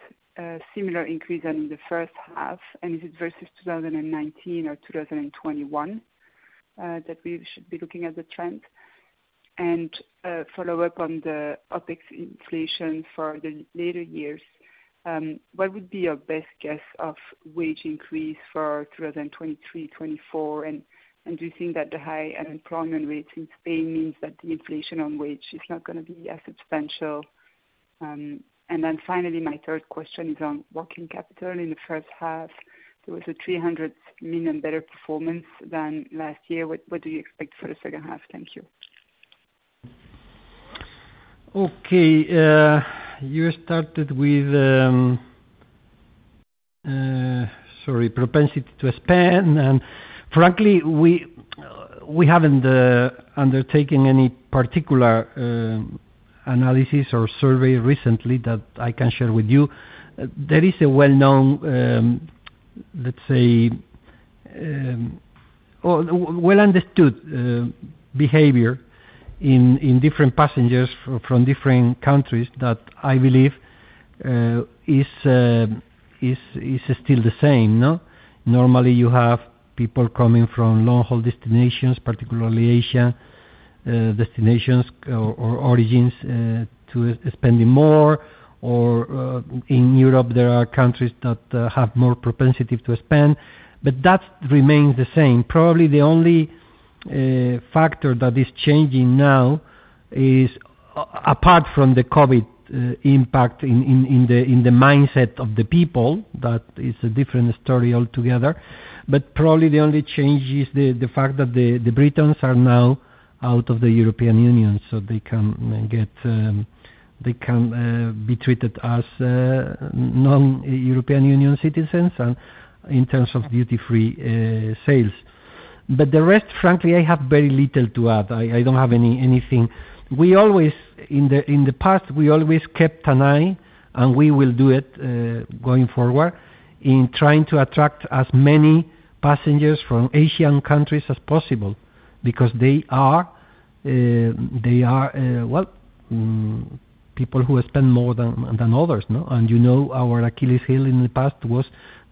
similar increase than in the first half? And is it versus 2019 or 2021 that we should be looking at the trend? Follow-up on the OpEx inflation for the later years, what would be your best guess of wage increase for 2023, 2024? Do you think that the high unemployment rate in Spain means that the inflation on wage is not gonna be as substantial? Then finally, my third question is on working capital in the first half, there was a 300 million better performance than last year. What do you expect for the second half? Thank you. Okay. You started with, sorry, propensity to spend. Frankly, we haven't undertaken any particular analysis or survey recently that I can share with you. There is a well-known, let's say, or well understood behavior in different passengers from different countries that I believe is still the same, no? Normally, you have people coming from long-haul destinations, particularly Asia, destinations or origins to spending more, or in Europe, there are countries that have more propensity to spend, but that remains the same. Probably the only factor that is changing now is, apart from the COVID impact in the mindset of the people, that is a different story altogether. Probably the only change is the fact that the Britons are now out of the European Union, so they can get, they can be treated as non-European Union citizens and in terms of duty-free sales. The rest, frankly, I have very little to add. I don't have anything. In the past, we always kept an eye, and we will do it going forward, in trying to attract as many passengers from Asian countries as possible because they are people who spend more than others, no? You know our Achilles heel in the past was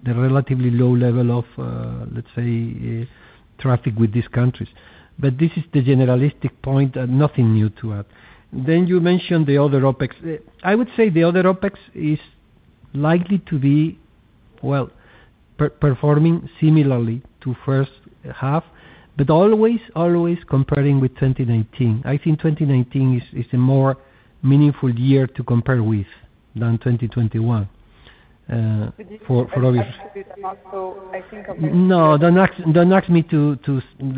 the relatively low level of, let's say, traffic with these countries. This is the general point and nothing new to add. You mentioned the other OpEx. I would say the other OpEx is likely to be, well, performing similarly to first half, but always comparing with 2019. I think 2019 is a more meaningful year to compare with than 2021, for obvious. This is a very high exit amount, so I think. No, don't ask, don't ask me to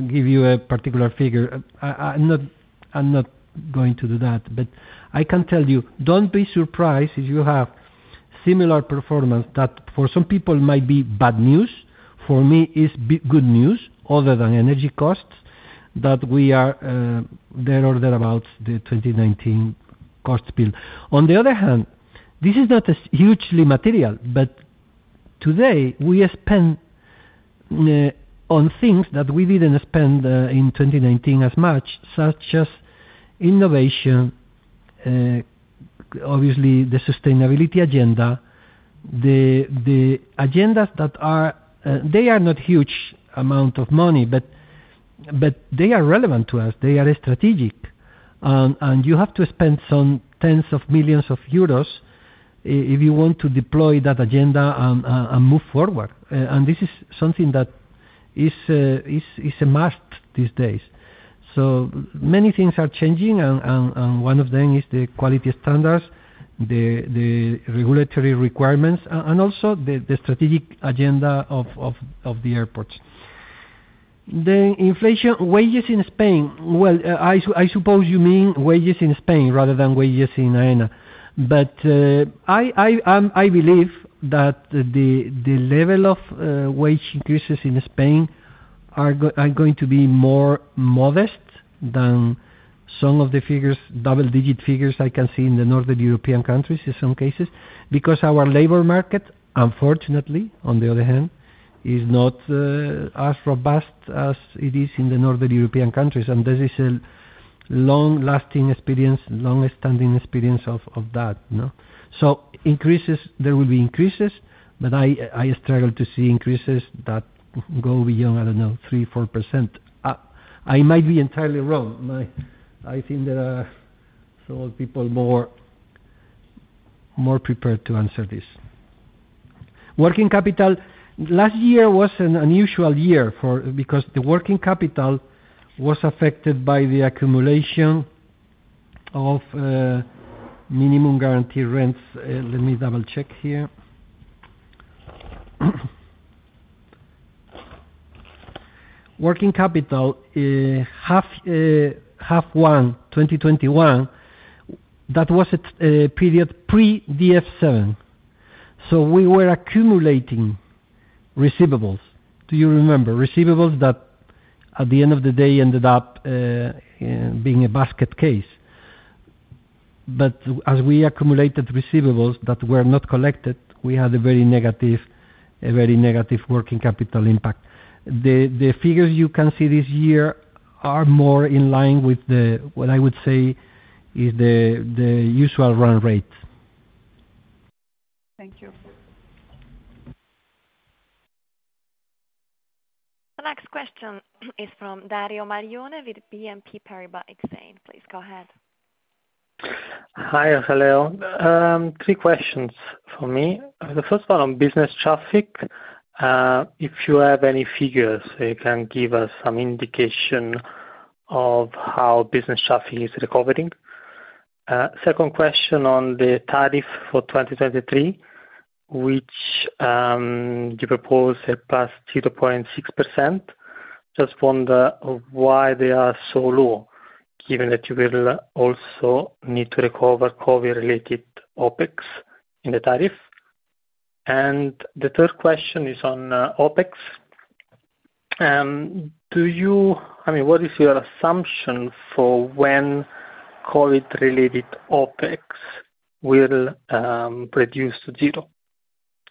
give you a particular figure. I'm not going to do that. I can tell you, don't be surprised if you have similar performance that for some people might be bad news. For me, it's good news other than energy costs, that we are there or thereabouts the 2019 cost bill. On the other hand, this is not as hugely material, but today we spend on things that we didn't spend in 2019 as much, such as innovation, obviously the sustainability agenda, the agendas that are. They are not huge amount of money, but they are relevant to us. They are strategic. You have to spend some tens of millions of euros if you want to deploy that agenda and move forward. This is something that is a must these days. Many things are changing, and one of them is the quality standards, the regulatory requirements, and also the strategic agenda of the airports. The inflation, wages in Spain. Well, I suppose you mean wages in Spain rather than wages in Aena. I believe that the level of wage increases in Spain are going to be more modest than some of the figures, double-digit figures I can see in the Northern European countries in some cases, because our labor market, unfortunately, on the other hand, is not as robust as it is in the Northern European countries, and this is a long-lasting experience, long-standing experience of that, you know. Increases, there will be increases, but I struggle to see increases that go beyond, I don't know, 3%-4%. I might be entirely wrong. I think there are some people more prepared to answer this. Working capital. Last year was an unusual year because the working capital was affected by the accumulation of minimum guarantee rents. Let me double-check here. Working capital, H1 2021, that was at period pre DF7. We were accumulating receivables. Do you remember? Receivables that at the end of the day ended up being a basket case. But as we accumulated receivables that were not collected, we had a very negative working capital impact. The figures you can see this year are more in line with what I would say is the usual run rate. Thank you. The next question is from Dario Maglione with BNP Paribas Exane. Please go ahead. Hi. Hello. Three questions from me. The first one on business traffic, if you have any figures, you can give us some indication of how business traffic is recovering. Second question on the tariff for 2023, which you propose a +0.6%. Just wonder why they are so low, given that you will also need to recover COVID-related OpEx in the tariff. The third question is on OpEx. I mean, what is your assumption for when COVID-related OpEx will reduce to zero?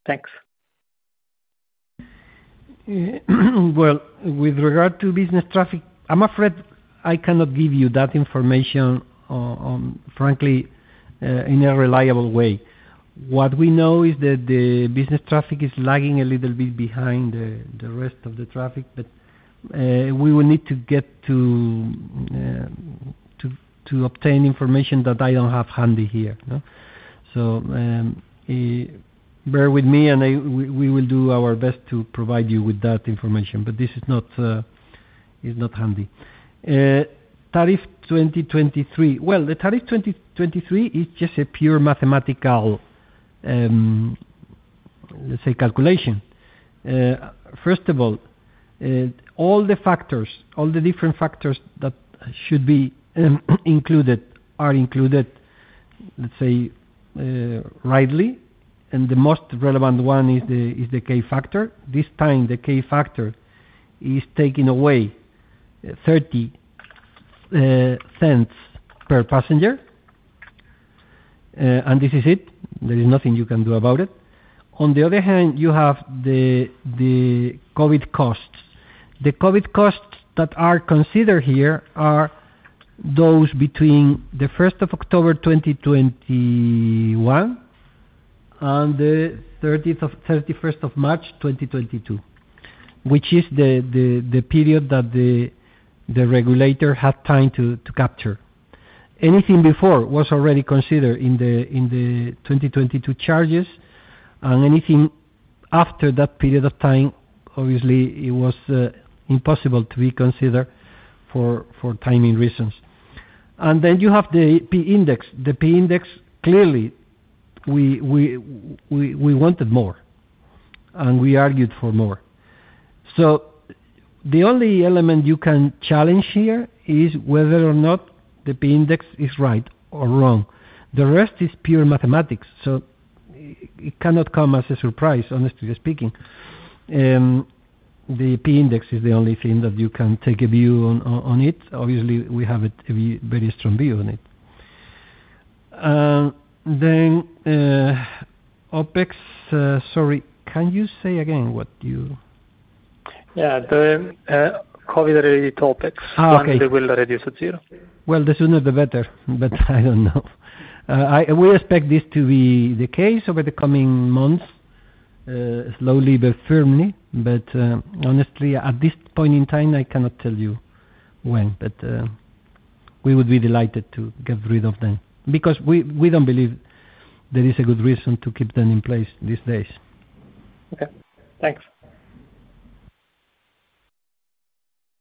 Thanks. Well, with regard to business traffic, I'm afraid I cannot give you that information, frankly, in a reliable way. What we know is that the business traffic is lagging a little bit behind the rest of the traffic, but we will need to obtain information that I don't have handy here, you know. Bear with me and we will do our best to provide you with that information. But this is not handy. Tariff 2023. Well, the tariff 2023 is just a pure mathematical, let's say, calculation. First of all the factors, all the different factors that should be included are included, let's say, rightly, and the most relevant one is the K factor. This time, the K factor is taking away 0.30 per passenger, and this is it. There is nothing you can do about it. On the other hand, you have the COVID costs. The COVID costs that are considered here are those between the first of October 2021 and the 31st of March 2022, which is the period that the regulator had time to capture. Anything before was already considered in the 2022 charges, and anything after that period of time, obviously it was impossible to be considered for timing reasons. You have the P index. The P index, clearly, we wanted more, and we argued for more. The only element you can challenge here is whether or not the P index is right or wrong. The rest is pure mathematics, so it cannot come as a surprise, honestly speaking. The P index is the only thing that you can take a view on it. Obviously, we have a very strong view on it. OpEx, sorry. Can you say again what you Yeah. The COVID-related topics. Oh, okay. When they will reduce to zero. Well, the sooner the better, but I don't know. We expect this to be the case over the coming months, slowly but firmly. Honestly, at this point in time, I cannot tell you when. We would be delighted to get rid of them because we don't believe there is a good reason to keep them in place these days. Okay. Thanks.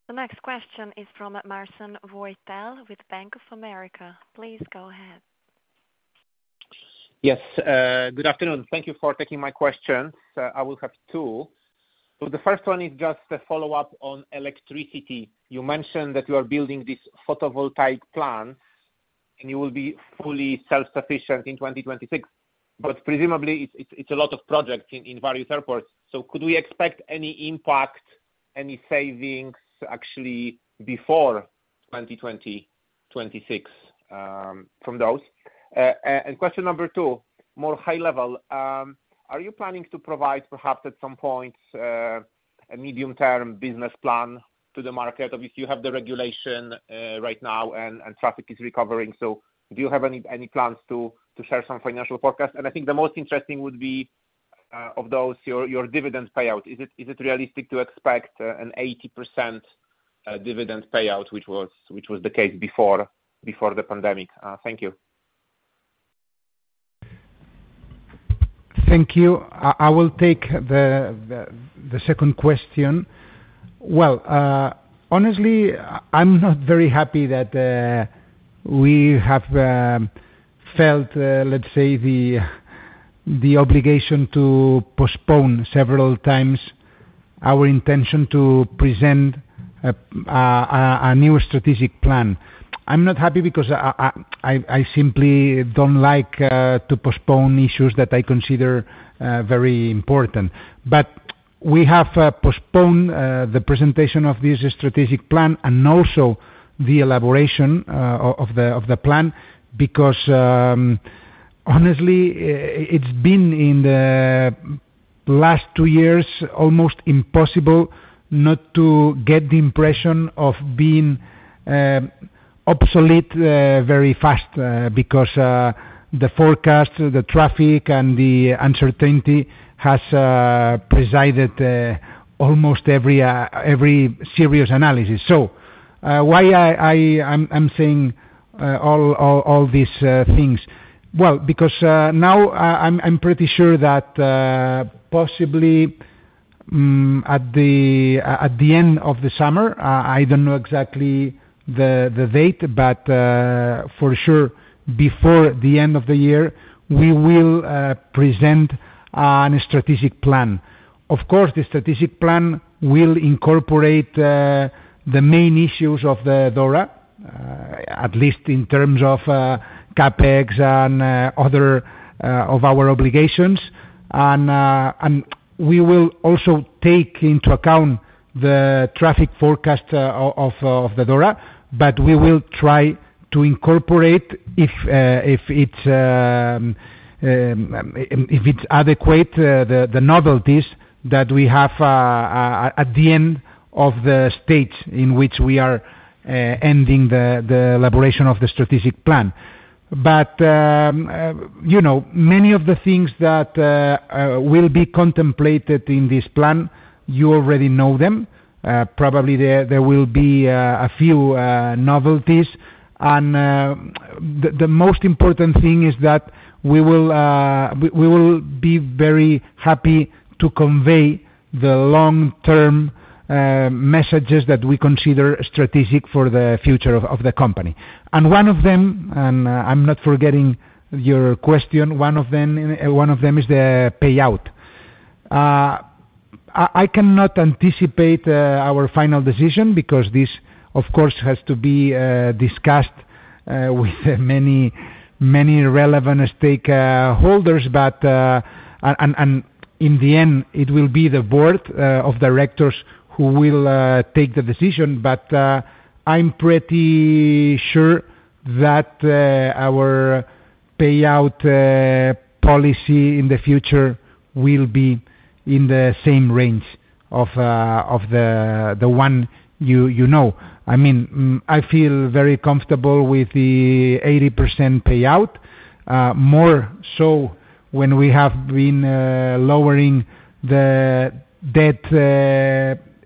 The next question is from Marcin Wojtal with Bank of America. Please go ahead. Yes. Good afternoon. Thank you for taking my questions. I will have two. The first one is just a follow-up on electricity. You mentioned that you are building this photovoltaic plant, and you will be fully self-sufficient in 2026. Presumably, it's a lot of projects in various airports, so could we expect any impact, any savings actually before 2026, from those? And question number two, more high level, are you planning to provide perhaps at some point a medium-term business plan to the market? Obviously, you have the regulation right now and traffic is recovering, so do you have any plans to share some financial forecast? I think the most interesting would be of those, your dividend payout. Is it realistic to expect an 80% dividend payout, which was the case before the pandemic? Thank you. Thank you. I will take the second question. Well, honestly, I'm not very happy that we have felt, let's say, the obligation to postpone several times our intention to present a new strategic plan. I'm not happy because I simply don't like to postpone issues that I consider very important. We have postponed the presentation of this strategic plan and also the elaboration of the plan because, honestly, it's been in the last two years almost impossible not to get the impression of being obsolete very fast because the forecast, the traffic, and the uncertainty has presided almost every serious analysis. Why I'm saying all these things? Well, because now I'm pretty sure that possibly at the end of the summer I don't know exactly the date, but for sure before the end of the year we will present a strategic plan. Of course, the strategic plan will incorporate the main issues of the DORA at least in terms of CapEx and other of our obligations. We will also take into account the traffic forecast of the DORA, but we will try to incorporate if it's adequate the novelties that we have at the end of the stage in which we are ending the elaboration of the strategic plan. You know, many of the things that will be contemplated in this plan, you already know them. Probably there will be a few novelties. The most important thing is that we will be very happy to convey the long-term messages that we consider strategic for the future of the company. One of them, and I'm not forgetting your question, one of them is the payout. I cannot anticipate our final decision because this of course has to be discussed with many relevant stakeholders. In the end, it will be the board of directors who will take the decision. I'm pretty sure that our payout policy in the future will be in the same range of the one you know. I mean, I feel very comfortable with the 80% payout, more so when we have been lowering the debt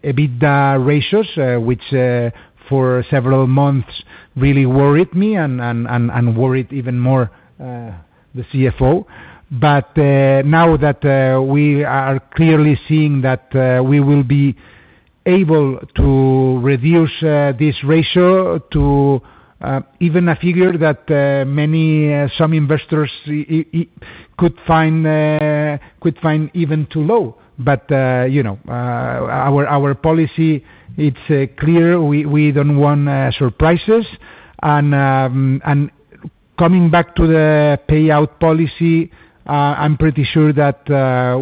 EBITDA ratios, which for several months really worried me and worried even more the CFO. Now that we are clearly seeing that we will be able to reduce this ratio to even a figure that many some investors could find even too low. You know, our policy, it's clear. We don't want surprises. Coming back to the payout policy, I'm pretty sure that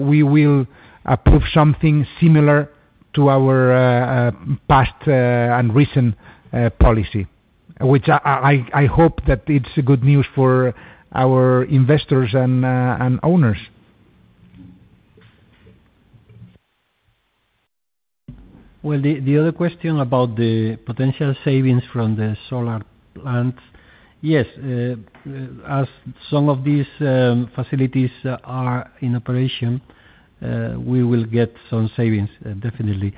we will approve something similar to our past and recent policy, which I hope that it's good news for our investors and owners. The other question about the potential savings from the solar plants. Yes, as some of these facilities are in operation, we will get some savings, definitely.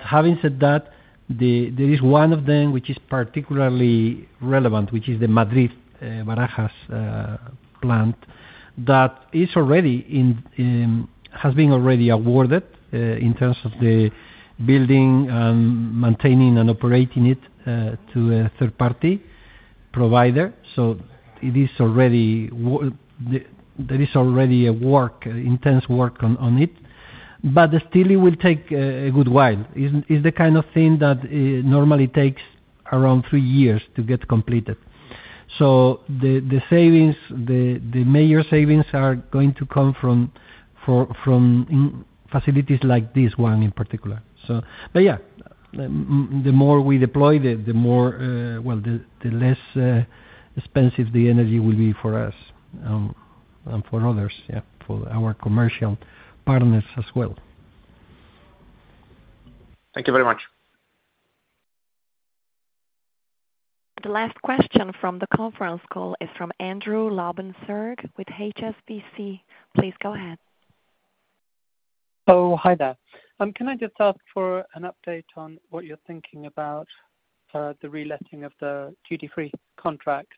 Having said that, there is one of them which is particularly relevant, which is the Madrid-Barajas plant that has been already awarded in terms of the building and maintaining and operating it to a third party provider. It is already intense work on it. Still it will take a good while. This is the kind of thing that normally takes around three years to get completed. The savings, the major savings are going to come from facilities like this one in particular. Yeah, the more we deploy, well, the less expensive the energy will be for us, and for others, yeah, for our commercial partners as well. Thank you very much. The last question from the conference call is from Andrew Lobbenberg with HSBC. Please go ahead. Hi there. Can I just ask for an update on what you're thinking about, the reletting of the Duty Free contract,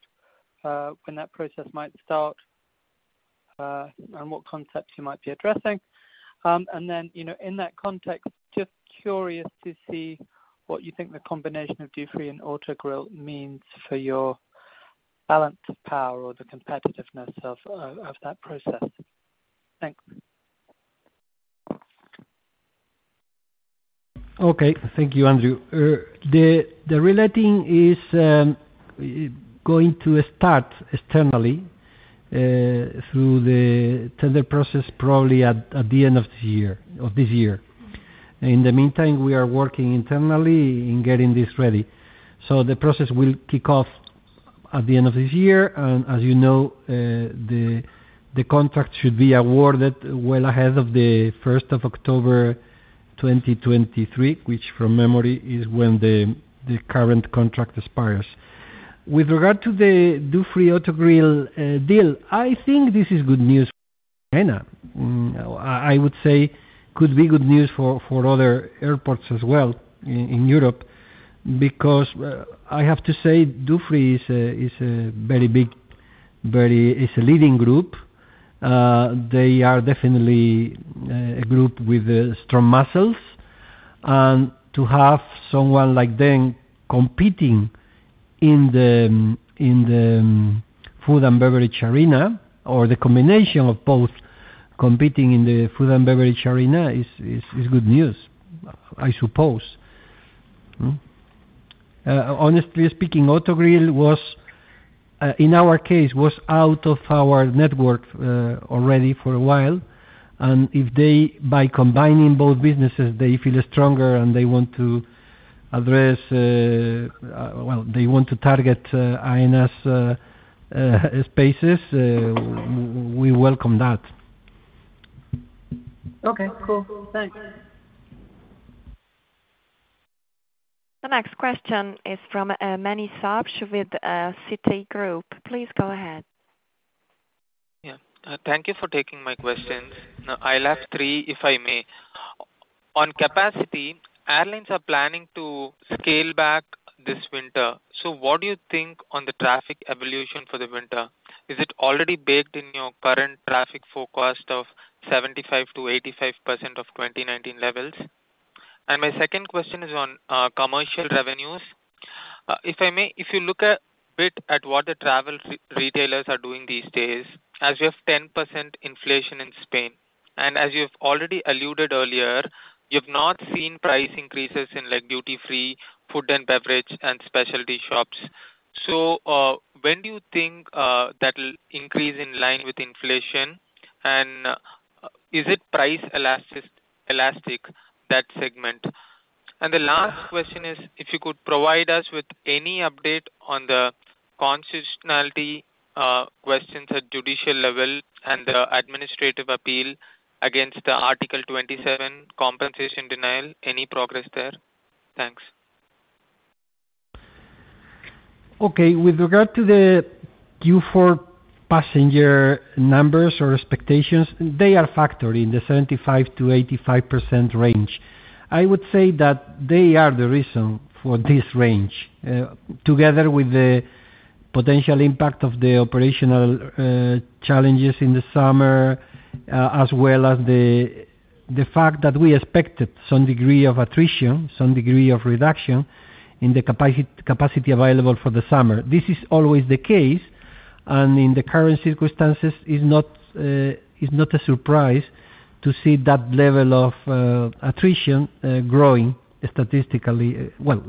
when that process might start, and what concepts you might be addressing? You know, in that context, just curious to see what you think the combination of Dufry and Autogrill means for your balance of power or the competitiveness of that process. Thanks. Okay. Thank you, Andrew. The reletting is going to start externally through the tender process, probably at the end of this year. In the meantime, we are working internally in getting this ready. The process will kick off at the end of this year. As you know, the contract should be awarded well ahead of the 1st of October 2023, which from memory is when the current contract expires. With regard to the Dufry Autogrill deal, I think this is good news for Aena. I would say could be good news for other airports as well in Europe, because I have to say Dufry is a very big, very is a leading group. They are definitely a group with strong muscles, and to have someone like them competing in the food and beverage arena, or the combination of both competing in the food and beverage arena is good news, I suppose. Honestly speaking, Autogrill was in our case out of our network already for a while, and if they, by combining both businesses, they feel stronger and they want to address, well, they want to target Aena's spaces, we welcome that. Okay, cool. Thanks. The next question is from Ashish Khetan with Citigroup. Please go ahead. Yeah. Thank you for taking my questions. I'll have three, if I may. On capacity, airlines are planning to scale back this winter. What do you think on the traffic evolution for the winter? Is it already baked in your current traffic forecast of 75%-85% of 2019 levels? My second question is on commercial revenues. If I may, if you look a bit at what the travel retailers are doing these days, as you have 10% inflation in Spain, and as you've already alluded earlier, you've not seen price increases in like duty-free, food and beverage, and specialty shops. When do you think that'll increase in line with inflation? And is it price elastic, that segment? The last question is if you could provide us with any update on the constitutionality questions at judicial level and the administrative appeal against the Article 27 compensation denial, any progress there? Thanks. With regard to the Q4 passenger numbers or expectations, they are factored in the 75%-85% range. I would say that they are the reason for this range, together with the potential impact of the operational challenges in the summer, as well as the fact that we expected some degree of attrition, some degree of reduction in the capacity available for the summer. This is always the case, and in the current circumstances is not a surprise to see that level of attrition growing statistically. Well,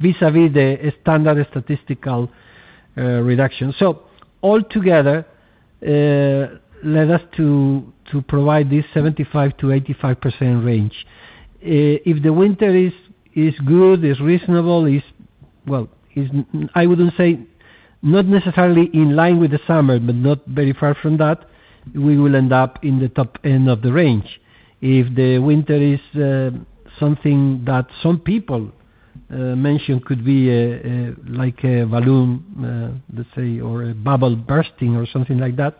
vis-à-vis the standard statistical reduction. Altogether led us to provide this 75%-85% range. If the winter is good, is reasonable, well, is. I wouldn't say not necessarily in line with the summer, but not very far from that, we will end up in the top end of the range. If the winter is something that some people mention could be like a balloon, let's say, or a bubble bursting or something like that,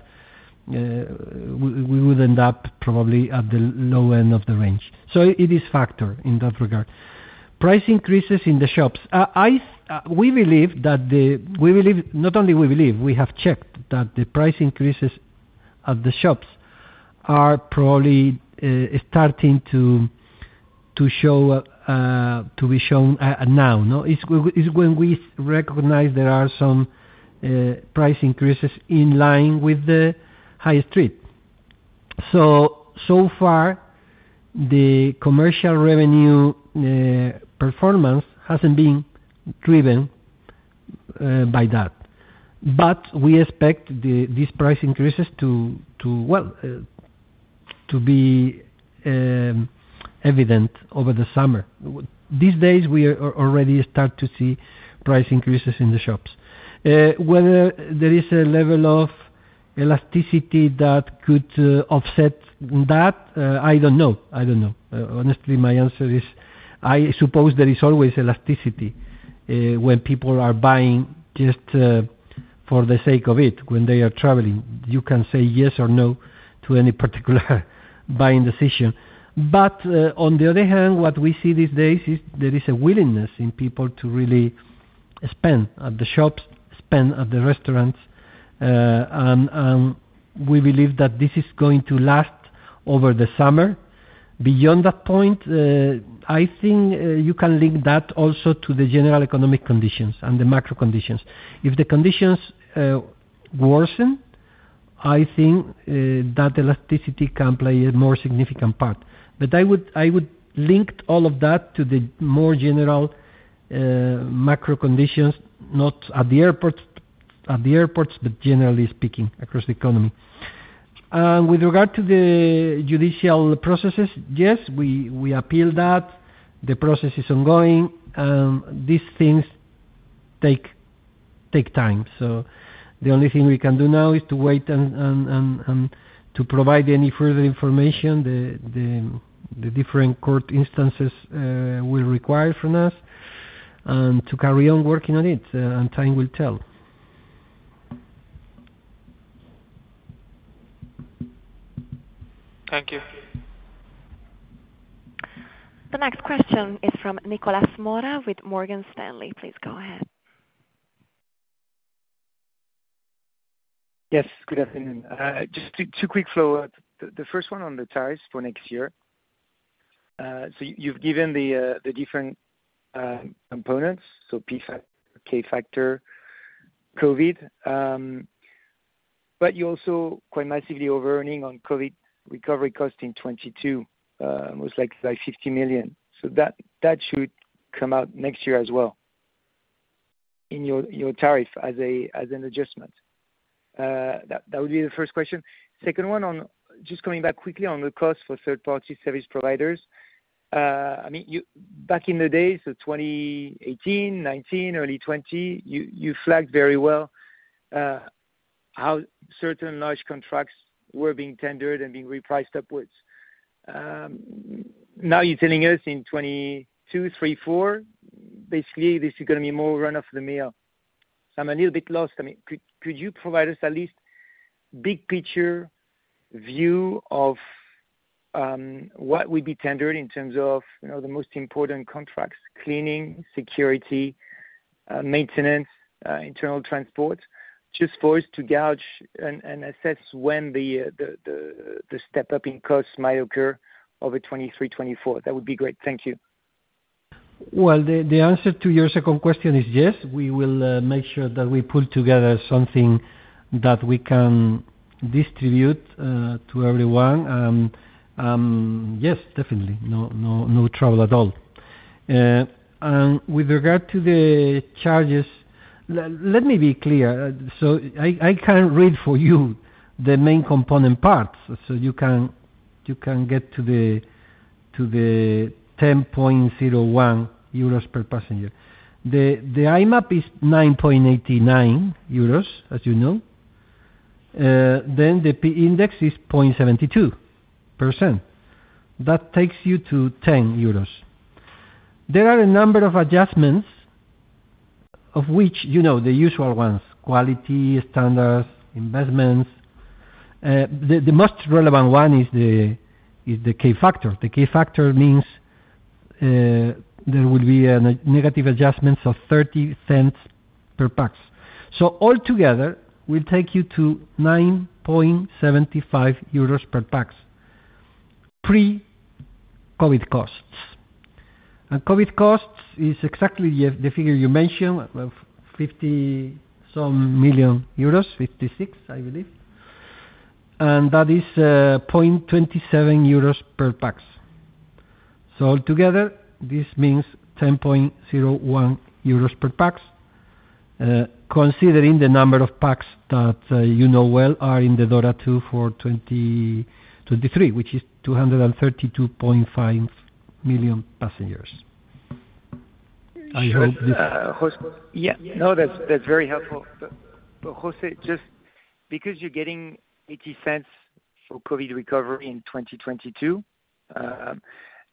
we would end up probably at the low end of the range. It is factored in that regard. Price increases in the shops. We believe. Not only we believe, we have checked that the price increases at the shops are probably starting to show to be shown now. No? It's when we recognize there are some price increases in line with the high street. So far, the commercial revenue performance hasn't been driven by that. We expect these price increases to well to be evident over the summer. These days, we already start to see price increases in the shops. Whether there is a level of elasticity that could offset that, I don't know. Honestly, my answer is I suppose there is always elasticity when people are buying just for the sake of it when they are traveling. You can say yes or no to any particular buying decision. On the other hand, what we see these days is there is a willingness in people to really spend at the shops, spend at the restaurants. We believe that this is going to last over the summer. Beyond that point, I think, you can link that also to the general economic conditions and the macro conditions. If the conditions worsen, I think, that elasticity can play a more significant part. I would link all of that to the more general, macro conditions, not at the airport, at the airports, but generally speaking, across the economy. With regard to the judicial processes, yes, we appeal that. The process is ongoing. These things take time. The only thing we can do now is to wait and to provide any further information the different court instances will require from us, and to carry on working on it, and time will tell. Thank you. The next question is from Nicolas Mora with Morgan Stanley. Please go ahead. Yes, good afternoon. Just two quick follow-up. The first one on the tariffs for next year. So you've given the different components, so K factor, COVID, but you're also quite massively overearning on COVID recovery cost in 2022, almost like 50 million. That should come out next year as well in your tariff as an adjustment. That would be the first question. Second one on, just coming back quickly on the cost for third-party service providers. I mean, back in the day, so 2018, 2019, early 2020, you flagged very well how certain large contracts were being tendered and being repriced upwards. Now you're telling us in 2022, 2023, 2024, basically this is gonna be more run of the mill. I'm a little bit lost. I mean, could you provide us at least big picture view of what would be tendered in terms of, you know, the most important contracts, cleaning, security, maintenance, internal transport, just for us to gauge and assess when the step-up in costs might occur over 2023, 2024? That would be great. Thank you. Well, the answer to your second question is yes, we will make sure that we put together something that we can distribute to everyone. Yes, definitely. No trouble at all. With regard to the charges, let me be clear. I can read for you the main component parts so you can get to the 10.01 euros per passenger. The IMAP is 9.89 euros, as you know. Then the P index is 0.72%. That takes you to 10 euros. There are a number of adjustments of which you know the usual ones, quality, standards, investments. The most relevant one is the K factor. The K factor means there will be a negative adjustment of 0.30 per pax. Altogether, will take you to 9.75 euros per pax, pre-COVID costs. COVID costs is exactly the figure you mentioned, of 56 million, I believe. That is 0.27 euros per pax. Altogether, this means 10.01 euros per pax, considering the number of pax that you know well are in the DORA II for 2023, which is 232.5 million passengers. I hope this. José. Yeah. No, that's very helpful. José, just because you're getting 0.80 for COVID recovery in 2022,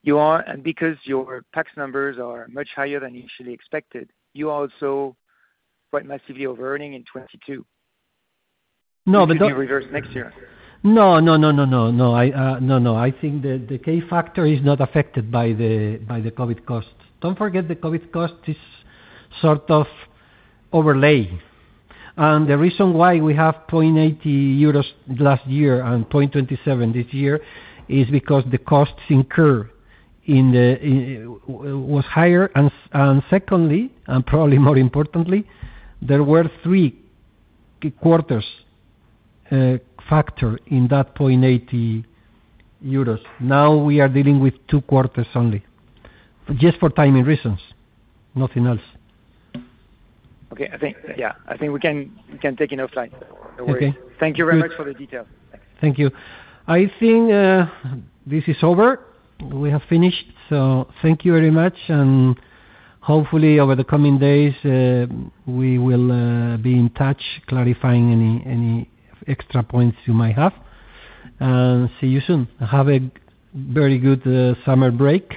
you are because your pax numbers are much higher than initially expected, you are also quite massively overearning in 2022. No, but Which will be reversed next year. No. I think the K factor is not affected by the COVID costs. Don't forget the COVID cost is sort of overlay. The reason why we have 0.80 euros last year and 0.27 this year is because the costs incurred in was higher. Secondly, and probably more importantly, there were three quarters factor in that 0.80 euros. Now we are dealing with two quarters only, just for timing reasons, nothing else. Okay. I think, yeah. I think we can take it offline. No worries. Okay. Thank you very much for the details. Thank you. I think this is over. We have finished. Thank you very much, and hopefully over the coming days, we will be in touch clarifying any extra points you might have. See you soon. Have a very good summer break.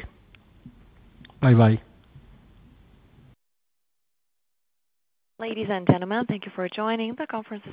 Bye-bye. Ladies and gentlemen, thank you for joining. The conference is now concluded.